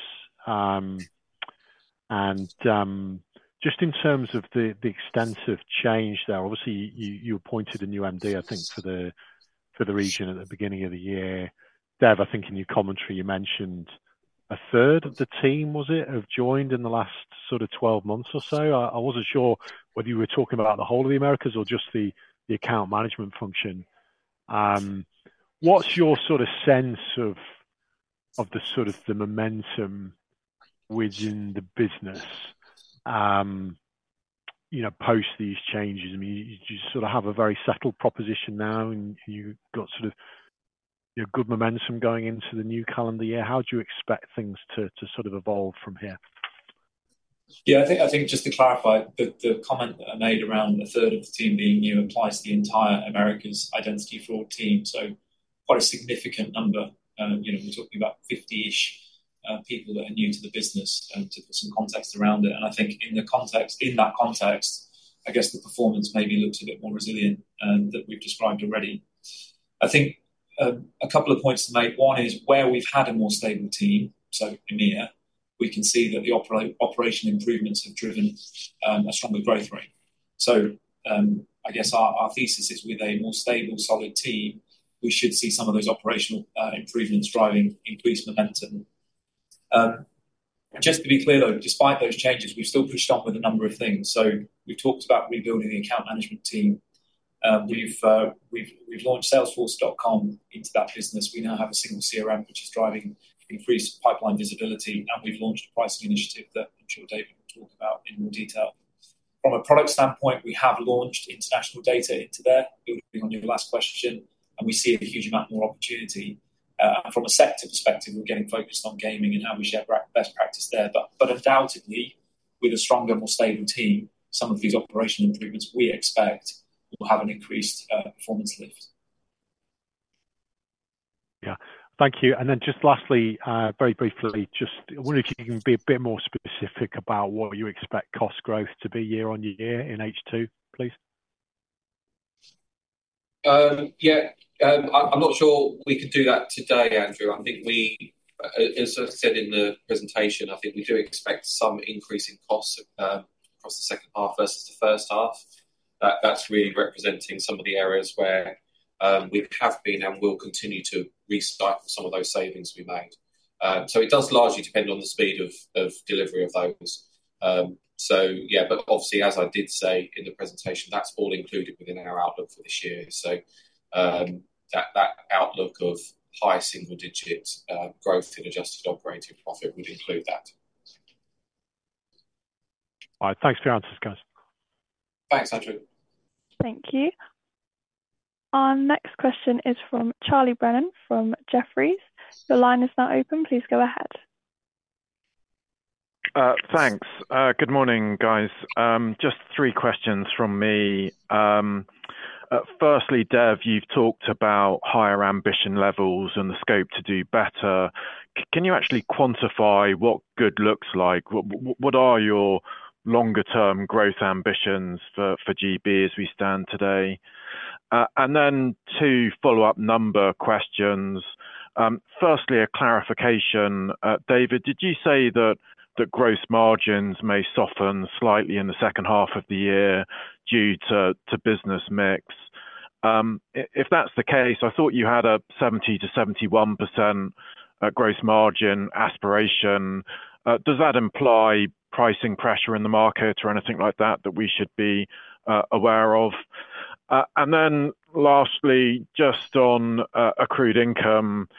Just in terms of the extensive change there, obviously, you appointed a new MD, I think, for the region at the beginning of the year. Dev, I think in your commentary, you mentioned a third of the team, was it, have joined in the last sort of 12 months or so. I wasn't sure whether you were talking about the whole of the Americas or just the account management function. What's your sort of sense of the sort of the momentum within the business post these changes? I mean, you sort of have a very settled proposition now, and you've got sort of good momentum going into the new calendar year. How do you expect things to sort of evolve from here? Yeah. I think just to clarify, the comment that I made around a third of the team being new applies to the entire Americas identity fraud team. Quite a significant number. We're talking about 50-ish people that are new to the business, to put some context around it. I think in that context, I guess the performance maybe looks a bit more resilient than we've described already. I think a couple of points to make. One is where we've had a more stable team, so EMEA, we can see that the operation improvements have driven a stronger growth rate. I guess our thesis is with a more stable, solid team, we should see some of those operational improvements driving increased momentum. Just to be clear, though, despite those changes, we've still pushed on with a number of things. We've talked about rebuilding the account management team. We've launched Salesforce.com into that business. We now have a single CRM, which is driving increased pipeline visibility. We've launched a pricing initiative that I'm sure David will talk about in more detail. From a product standpoint, we have launched international data into there, building on your last question, and we see a huge amount more opportunity. From a sector perspective, we're getting focused on gaming and how we share best practice there. Undoubtedly, with a stronger, more stable team, some of these operational improvements we expect will have an increased performance lift. Yeah. Thank you. Just lastly, very briefly, just I wonder if you can be a bit more specific about what you expect cost growth to be year on year in H2, please. Yeah. I'm not sure we could do that today, Andrew. I think we, as I said in the presentation, I think we do expect some increasing costs across the second half versus the first half. That's really representing some of the areas where we have been and will continue to recycle some of those savings we made. So it does largely depend on the speed of delivery of those. So yeah, but obviously, as I did say in the presentation, that's all included within our outlook for this year. So that outlook of high single-digit growth in adjusted operating profit would include that. All right. Thanks for your answers, guys. Thanks, Andrew. Thank you. Our next question is from Charlie Brennan from Jefferies. Your line is now open. Please go ahead. Thanks. Good morning, guys. Just three questions from me. Firstly, Dev, you've talked about higher ambition levels and the scope to do better. Can you actually quantify what good looks like? What are your longer-term growth ambitions for GBG as we stand today? And then two follow-up number questions. Firstly, a clarification. David, did you say that gross margins may soften slightly in the second half of the year due to business mix? If that's the case, I thought you had a 70%-71% gross margin aspiration. Does that imply pricing pressure in the market or anything like that that we should be aware of? And then lastly, just on accrued income,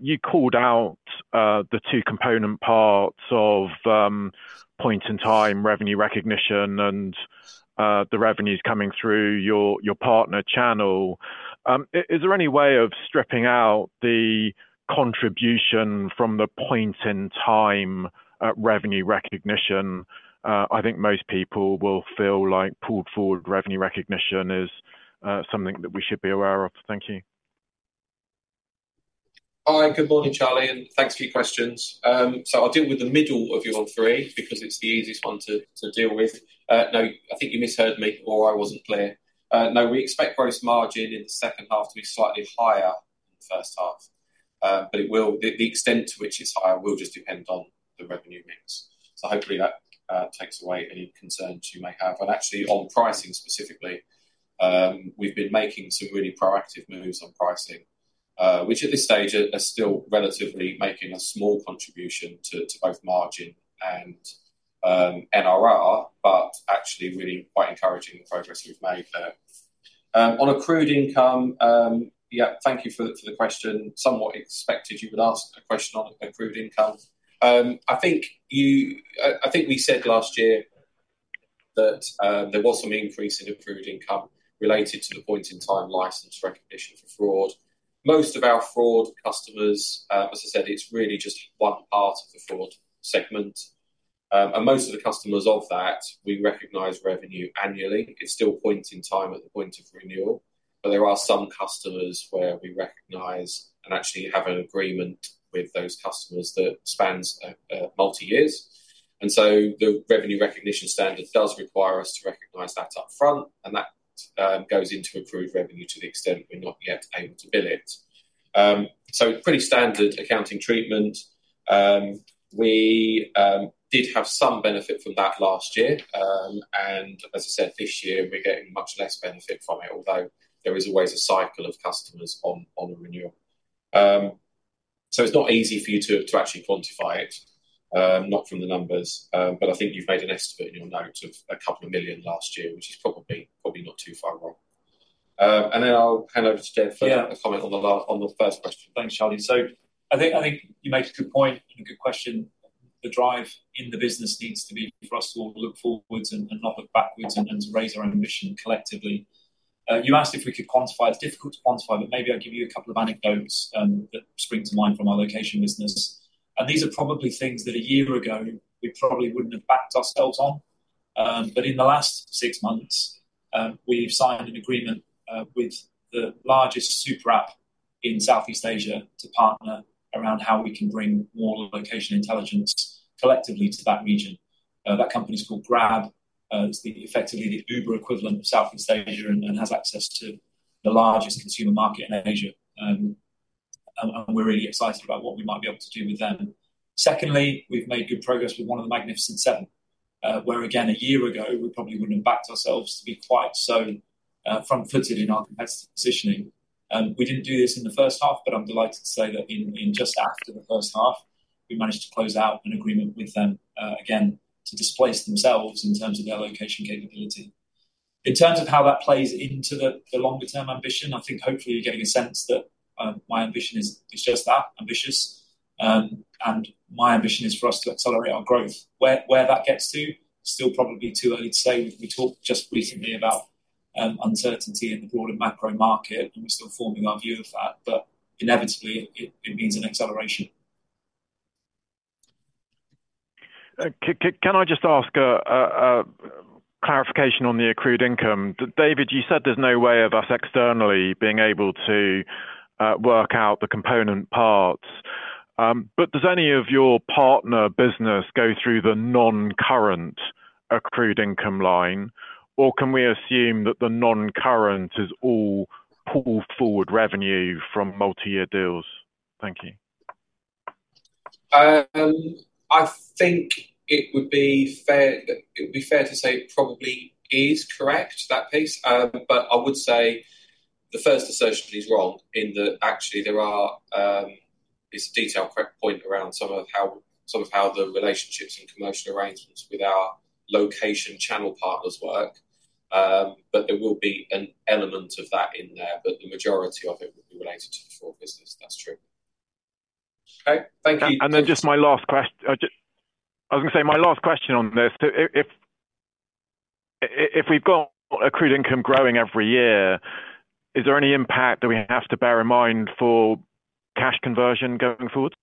you called out the two component parts of point-in-time revenue recognition and the revenues coming through your partner channel. Is there any way of stripping out the contribution from the point-in-time revenue recognition? I think most people will feel like pulled-forward revenue recognition is something that we should be aware of. Thank you. Hi. Good morning, Charlie. And thanks for your questions. So I'll deal with the middle of your three because it's the easiest one to deal with. No, I think you misheard me or I wasn't clear. No, we expect gross margin in the second half to be slightly higher than the first half. But the extent to which it's higher will just depend on the revenue mix. So hopefully, that takes away any concerns you may have. And actually, on pricing specifically, we've been making some really proactive moves on pricing, which at this stage are still relatively making a small contribution to both margin and NRR, but actually really quite encouraging the progress we've made there. On accrued income, yeah, thank you for the question. Somewhat expected you would ask a question on accrued income. I think we said last year that there was some increase in accrued income related to the point-in-time license recognition for fraud. Most of our fraud customers, as I said, it's really just one part of the fraud segment. Most of the customers of that, we recognize revenue annually. It's still point-in-time at the point of renewal. But there are some customers where we recognize and actually have an agreement with those customers that spans multi-years. And so the revenue recognition standard does require us to recognize that upfront. And that goes into accrued revenue to the extent we're not yet able to bill it. So pretty standard accounting treatment. We did have some benefit from that last year. And as I said, this year, we're getting much less benefit from it, although there is always a cycle of customers on a renewal. So it's not easy for you to actually quantify it, not from the numbers. But I think you've made an estimate in your notes of £2 million last year, which is probably not too far wrong. Then I'll hand over to Dev for a comment on the first question. Thanks, Charlie. I think you make a good point and a good question. The drive in the business needs to be for us to all look forwards and not look backwards and raise our ambition collectively. You asked if we could quantify it. It's difficult to quantify, but maybe I'll give you a couple of anecdotes that spring to mind from our location business. These are probably things that a year ago we probably wouldn't have backed ourselves on. In the last six months, we've signed an agreement with the largest super app in Southeast Asia to partner around how we can bring more location intelligence collectively to that region. That company is called Grab. It's effectively the Uber equivalent of Southeast Asia and has access to the largest consumer market in Asia. We're really excited about what we might be able to do with them. Secondly, we've made good progress with one of the Magnificent Seven, where, again, a year ago, we probably wouldn't have backed ourselves to be quite so front-footed in our competitive positioning. We didn't do this in the first half, but I'm delighted to say that in just after the first half, we managed to close out an agreement with them again to displace themselves in terms of their location capability. In terms of how that plays into the longer-term ambition, I think hopefully you're getting a sense that my ambition is just that, ambitious. My ambition is for us to accelerate our growth. Where that gets to, still probably too early to say. We talked just recently about uncertainty in the broader macro market, and we're still forming our view of that. But inevitably, it means an acceleration. Can I just ask a clarification on the accrued income? David, you said there's no way of us externally being able to work out the component parts. But does any of your partner business go through the non-current accrued income line, or can we assume that the non-current is all pulled-forward revenue from multi-year deals? Thank you. I think it would be fair to say it probably is correct, that piece. But I would say the first assertion is wrong in that actually there is a detailed point around some of how the relationships and commercial arrangements with our location channel partners work. But there will be an element of that in there. But the majority of it will be related to the fraud business. That's true. Okay. Thank you. And then just my last question. I was going to say my last question on this. If we've got accrued income growing every year, is there any impact that we have to bear in mind for cash conversion going forward?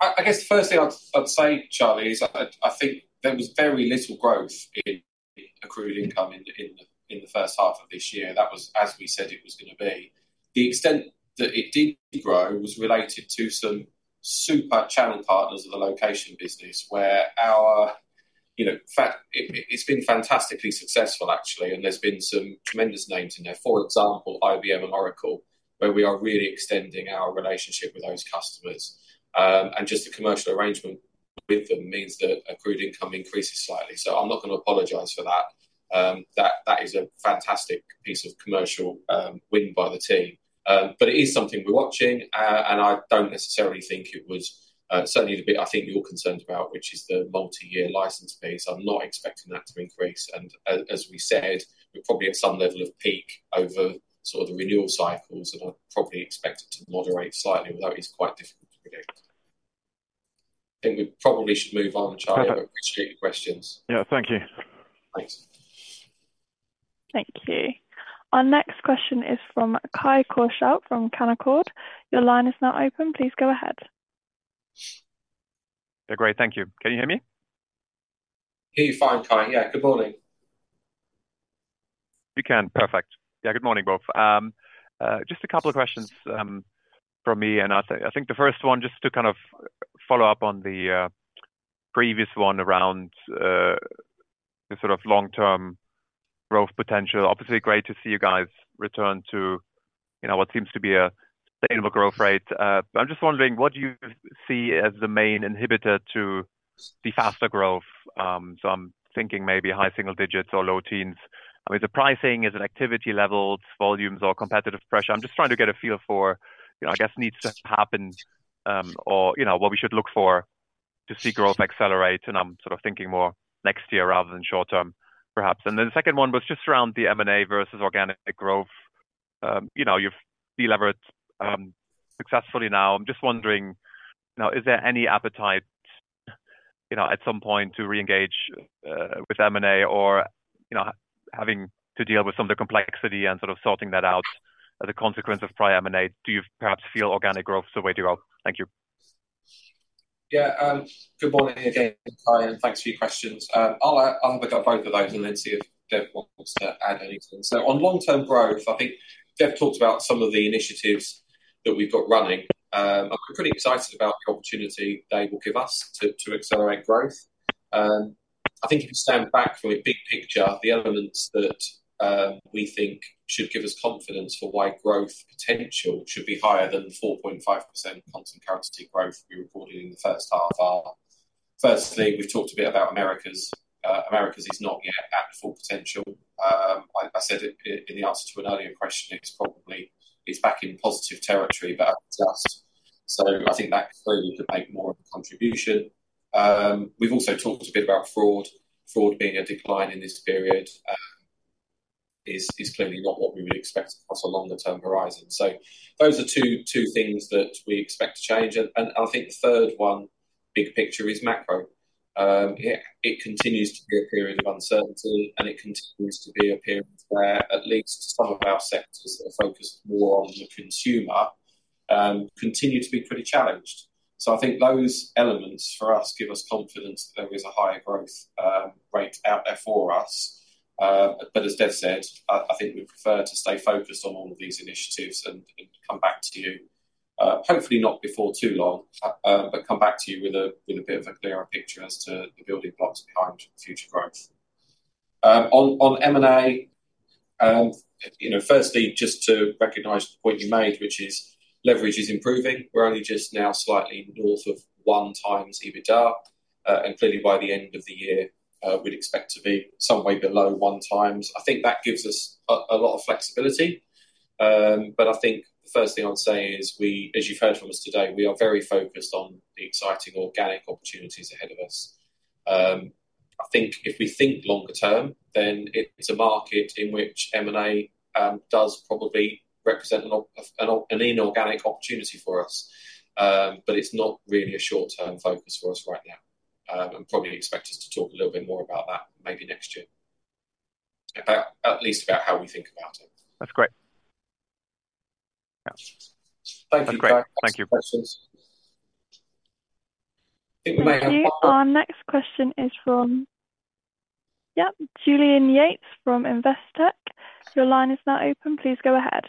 I guess the first thing I'd say, Charlie, is I think there was very little growth in accrued income in the first half of this year. That was, as we said, it was going to be. The extent that it did grow was related to some super channel partners of the location business where, in fact, it's been fantastically successful, actually, and there's been some tremendous names in there. For example, IBM and Oracle, where we are really extending our relationship with those customers. And just the commercial arrangement with them means that accrued income increases slightly. So I'm not going to apologize for that. That is a fantastic piece of commercial win by the team, but it is something we're watching, and I don't necessarily think it was certainly the bit I think you're concerned about, which is the multi-year license piece. I'm not expecting that to increase, and as we said, we're probably at some level of peak over sort of the renewal cycles, and I'd probably expect it to moderate slightly, although it is quite difficult to predict. I think we probably should move on, Charlie. I appreciate your questions. Yeah. Thank you. Thanks. Thank you. Our next question is from Kai Korschelt from Canaccord. Your line is now open. Please go ahead. Yeah. Great. Thank you. Can you hear me? I hear you fine, Kai. Yeah. Good morning. You can. Perfect. Yeah. Good morning, both. Just a couple of questions from me. I think the first one, just to kind of follow up on the previous one around the sort of long-term growth potential. Obviously, great to see you guys return to what seems to be a stable growth rate. But I'm just wondering, what do you see as the main inhibitor to the faster growth? So I'm thinking maybe high single digits or low teens. I mean, is it pricing? Is it activity levels, volumes, or competitive pressure? I'm just trying to get a feel for, I guess, needs to happen or what we should look for to see growth accelerate. And I'm sort of thinking more next year rather than short term, perhaps. And then the second one was just around the M&A versus organic growth. You've delivered successfully now. I'm just wondering, is there any appetite at some point to reengage with M&A or having to deal with some of the complexity and sort of sorting that out as a consequence of prior M&A? Do you perhaps feel organic growth is the way to go? Thank you. Yeah. Good morning again, Kai. And thanks for your questions. I'll have a go at both of those, and then see if Dev wants to add anything. So on long-term growth, I think Dev talked about some of the initiatives that we've got running. I'm pretty excited about the opportunity they will give us to accelerate growth. I think if you stand back from a big picture, the elements that we think should give us confidence for why growth potential should be higher than 4.5% constant currency growth we recorded in the first half are. Firstly, we've talked a bit about Americas. Americas is not yet at full potential. I said in the answer to an earlier question, it's back in positive territory, but so I think that clearly could make more of a contribution. We've also talked a bit about fraud. Fraud being a decline in this period is clearly not what we would expect across a longer-term horizon. So those are two things that we expect to change. And I think the third one, big picture, is macro. It continues to be a period of uncertainty, and it continues to be a period where at least some of our sectors that are focused more on the consumer continue to be pretty challenged. So I think those elements for us give us confidence that there is a higher growth rate out there for us. But as Dev said, I think we'd prefer to stay focused on all of these initiatives and come back to you, hopefully not before too long, but come back to you with a bit of a clearer picture as to the building blocks behind future growth. On M&A, firstly, just to recognize the point you made, which is leverage is improving. We're only just now slightly north of one times EBITDA. And clearly, by the end of the year, we'd expect to be somewhere below one times. I think that gives us a lot of flexibility. But I think the first thing I'd say is, as you've heard from us today, we are very focused on the exciting organic opportunities ahead of us. I think if we think longer term, then it's a market in which M&A does probably represent an inorganic opportunity for us. But it's not really a short-term focus for us right now. And probably expect us to talk a little bit more about that maybe next year, at least about how we think about it. That's great. Yeah. Thank you for that. Thank you. Thank you for the questions. I think we may have one more. Our next question is from, yep, Julian Yates from Investec. Your line is now open. Please go ahead.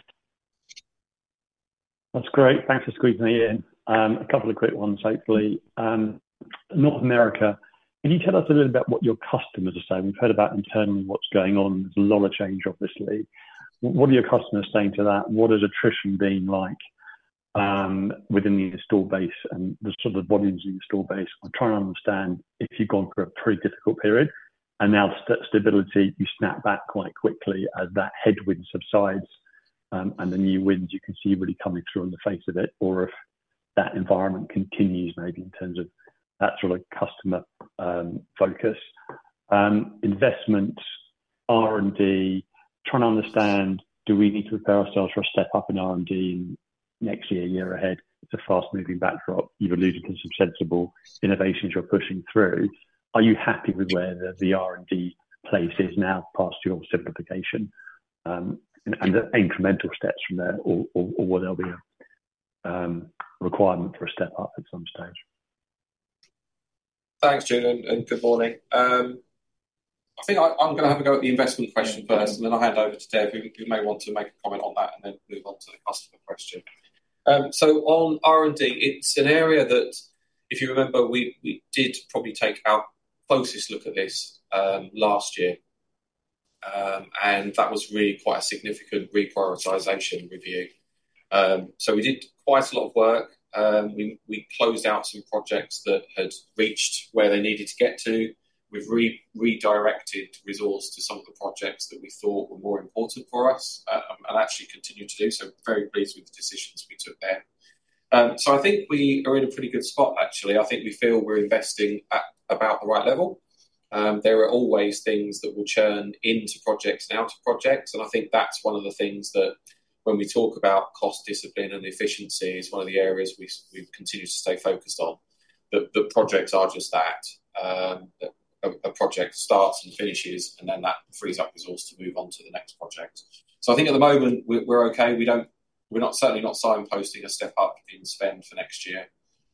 That's great. Thanks for squeezing it in. A couple of quick ones, hopefully. North America, can you tell us a little bit about what your customers are saying? We've heard about internally what's going on. There's a lot of change, obviously. What are your customers saying to that? What has attrition been like within the store base and the sort of volumes in the store base? I'm trying to understand if you've gone through a pretty difficult period and now stability, you snap back quite quickly as that headwind subsides and the new winds you can see really coming through in the face of it, or if that environment continues maybe in terms of that sort of customer focus. Investments, R&D, trying to understand, do we need to prepare ourselves for a step up in R&D next year, year ahead? It's a fast-moving backdrop. You've alluded to some sensible innovations you're pushing through. Are you happy with where the R&D place is now past your simplification? And the incremental steps from there or will there be a requirement for a step up at some stage? Thanks, Julian. And good morning. I think I'm going to have a go at the investment question first, and then I'll hand over to Dev. You may want to make a comment on that and then move on to the customer question. So on R&D, it's an area that, if you remember, we did probably take our closest look at this last year. And that was really quite a significant reprioritization review. So we did quite a lot of work. We closed out some projects that had reached where they needed to get to. We've redirected resources to some of the projects that we thought were more important for us and actually continue to do so. Very pleased with the decisions we took there. So I think we are in a pretty good spot, actually. I think we feel we're investing at about the right level. There are always things that will churn into projects and out of projects. I think that's one of the things that, when we talk about cost discipline and efficiency, is one of the areas we've continued to stay focused on. But projects are just that. A project starts and finishes, and then that frees up resources to move on to the next project. So I think at the moment, we're okay. We're certainly not signposting a step up in spend for next year.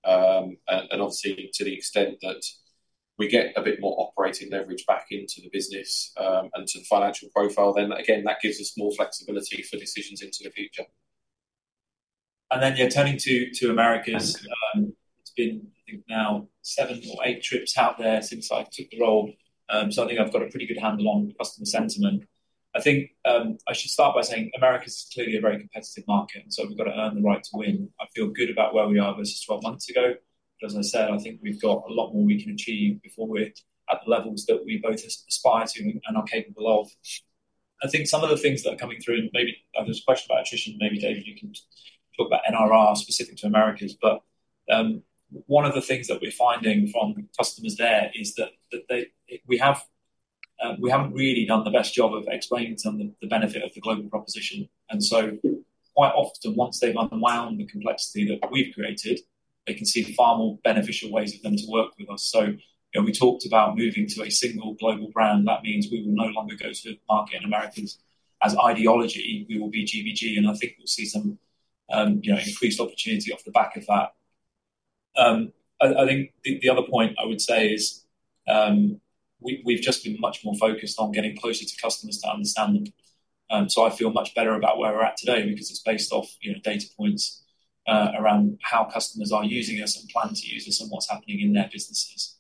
Obviously, to the extent that we get a bit more operating leverage back into the business and to the financial profile, then again, that gives us more flexibility for decisions into the future. Then yeah, turning to Americas, it's been, I think, now seven or eight trips out there since I took the role. So I think I've got a pretty good handle on customer sentiment. I think I should start by saying Americas clearly a very competitive market, and so we've got to earn the right to win. I feel good about where we are versus 12 months ago, but as I said, I think we've got a lot more we can achieve before we're at the levels that we both aspire to and are capable of. I think some of the things that are coming through, and maybe there's a question about attrition. Maybe, David, you can talk about NRR specific to Americas, but one of the things that we're finding from customers there is that we haven't really done the best job of explaining to them the benefit of the global proposition, and so quite often, once they've unwound the complexity that we've created, they can see the far more beneficial ways of them to work with us. So we talked about moving to a single global brand. That means we will no longer go to market in Americas as IDology. We will be GBG. And I think we'll see some increased opportunity off the back of that. I think the other point I would say is we've just been much more focused on getting closer to customers to understand them. So I feel much better about where we're at today because it's based off data points around how customers are using us and plan to use us and what's happening in their businesses.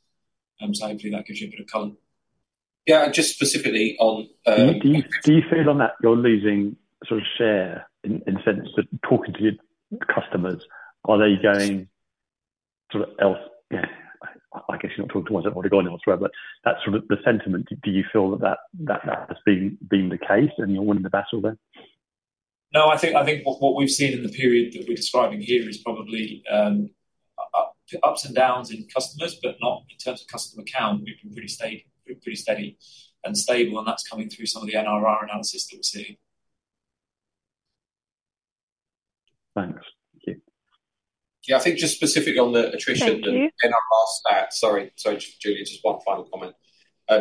So hopefully, that gives you a bit of color. Yeah. And just specifically on. Do you feel on that you're losing sort of share in the sense that talking to your customers, are they going sort of else? Yeah. I guess you're not talking to ones that have already gone elsewhere. But that's sort of the sentiment. Do you feel that that has been the case and you're winning the battle there? No. I think what we've seen in the period that we're describing here is probably ups and downs in customers, but not in terms of customer count. We've been pretty steady and stable. And that's coming through some of the NRR analysis that we're seeing. Thanks. Thank you. Yeah. I think just specifically on the attrition and NRR stats. Sorry. Sorry, Julian. Just one final comment.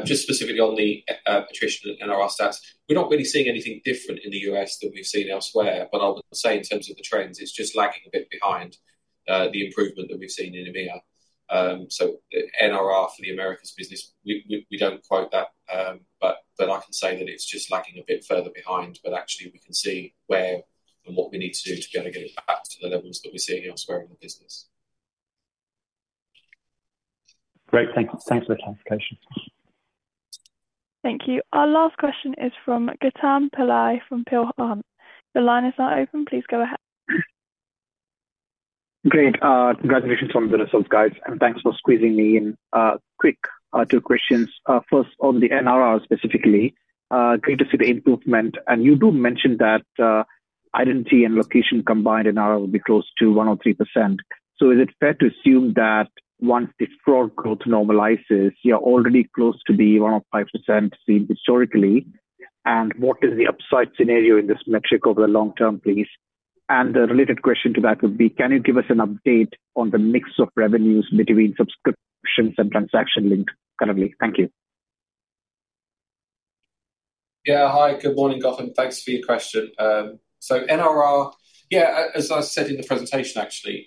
Just specifically on the attrition and NRR stats, we're not really seeing anything different in the U.S. than we've seen elsewhere. But I would say in terms of the trends, it's just lagging a bit behind the improvement that we've seen in EMEA. So NRR for the Americas business, we don't quote that. But I can say that it's just lagging a bit further behind. But actually, we can see where and what we need to do to be able to get it back to the levels that we're seeing elsewhere in the business. Great. Thanks for the clarification. Thank you. Our last question is from Gautam Pillai from Peel Hunt. The line is now open. Please go ahead. Great. Congratulations on the results, guys. And thanks for squeezing me in. Quick two questions. First, on the NRR specifically, great to see the improvement. And you do mention that identity and location combined NRR will be close to 103%. So is it fair to assume that once the fraud growth normalizes, you're already close to the 105% seen historically? And what is the upside scenario in this metric over the long term, please? The related question to that would be, can you give us an update on the mix of revenues between subscriptions and transactional currently? Thank you. Yeah. Hi. Good morning, Gautam. Thanks for your question. So NRR, yeah, as I said in the presentation, actually,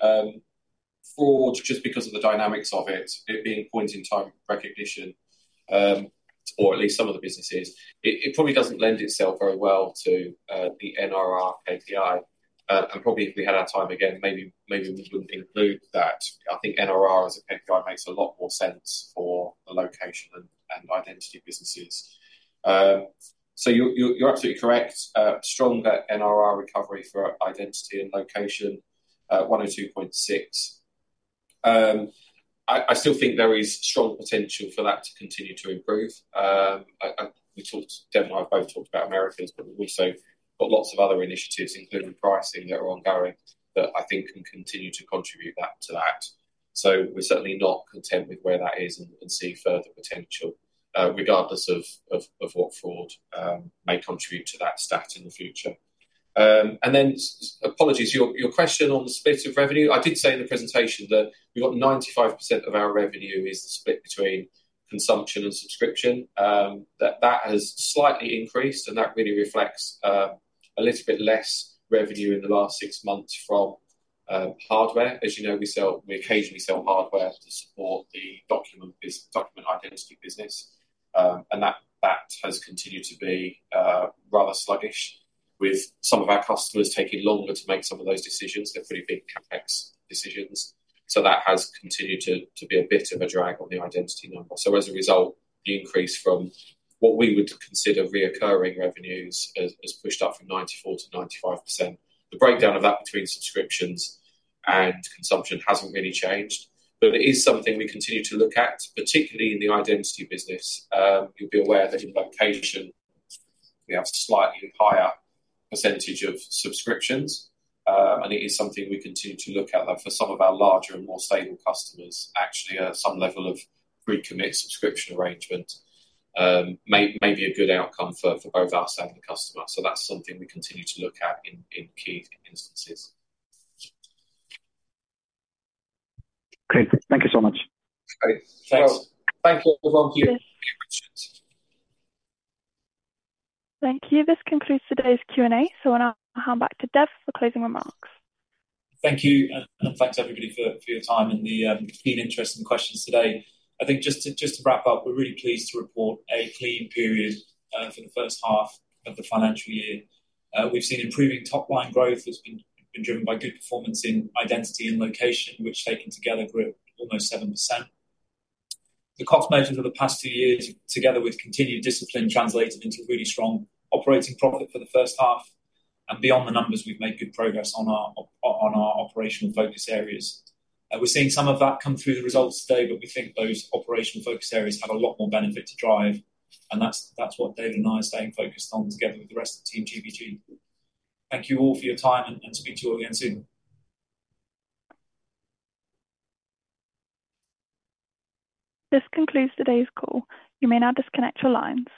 fraud just because of the dynamics of it, it being point-in-time recognition, or at least some of the businesses, it probably doesn't lend itself very well to the NRR KPI. And probably if we had our time again, maybe we wouldn't include that. I think NRR as a KPI makes a lot more sense for location and identity businesses. So you're absolutely correct. Stronger NRR recovery for identity and location, 112 or 126. I still think there is strong potential for that to continue to improve. We talked to Dev and I have both talked about Americas, but we've also got lots of other initiatives, including pricing, that are ongoing that I think can continue to contribute back to that. So we're certainly not content with where that is and see further potential regardless of what fraud may contribute to that stat in the future. And then, apologies, your question on the split of revenue. I did say in the presentation that we've got 95% of our revenue is the split between consumption and subscription. That has slightly increased, and that really reflects a little bit less revenue in the last six months from hardware. As you know, we occasionally sell hardware to support the document identity business. And that has continued to be rather sluggish, with some of our customers taking longer to make some of those decisions. They're pretty big CapEx decisions. So that has continued to be a bit of a drag on the identity number. So as a result, the increase from what we would consider recurring revenues has pushed up from 94%-95%. The breakdown of that between subscriptions and consumption hasn't really changed. But it is something we continue to look at, particularly in the identity business. You'll be aware that in location, we have a slightly higher percentage of subscriptions. And it is something we continue to look at for some of our larger and more stable customers. Actually, some level of pre-commit subscription arrangement may be a good outcome for both us and the customer. So that's something we continue to look at in key instances. Great. Thank you so much. Great. Thanks. Thank you. Thank you. Thank you, Richard. Thank you. This concludes today's Q&A. So I'll now hand back to Dev for closing remarks. Thank you. And thanks, everybody, for your time and the keen interest in the questions today. I think just to wrap up, we're really pleased to report a clean period for the first half of the financial year. We've seen improving top-line growth that's been driven by good performance in identity and location, which taken together grew almost 7%. The cost measures of the past two years, together with continued discipline, translated into really strong operating profit for the first half. And beyond the numbers, we've made good progress on our operational focus areas. We're seeing some of that come through the results today, but we think those operational focus areas have a lot more benefit to drive. And that's what David and I are staying focused on together with the rest of the Team GBG. Thank you all for your time, and speak to you all again soon. This concludes today's call. You may now disconnect your lines.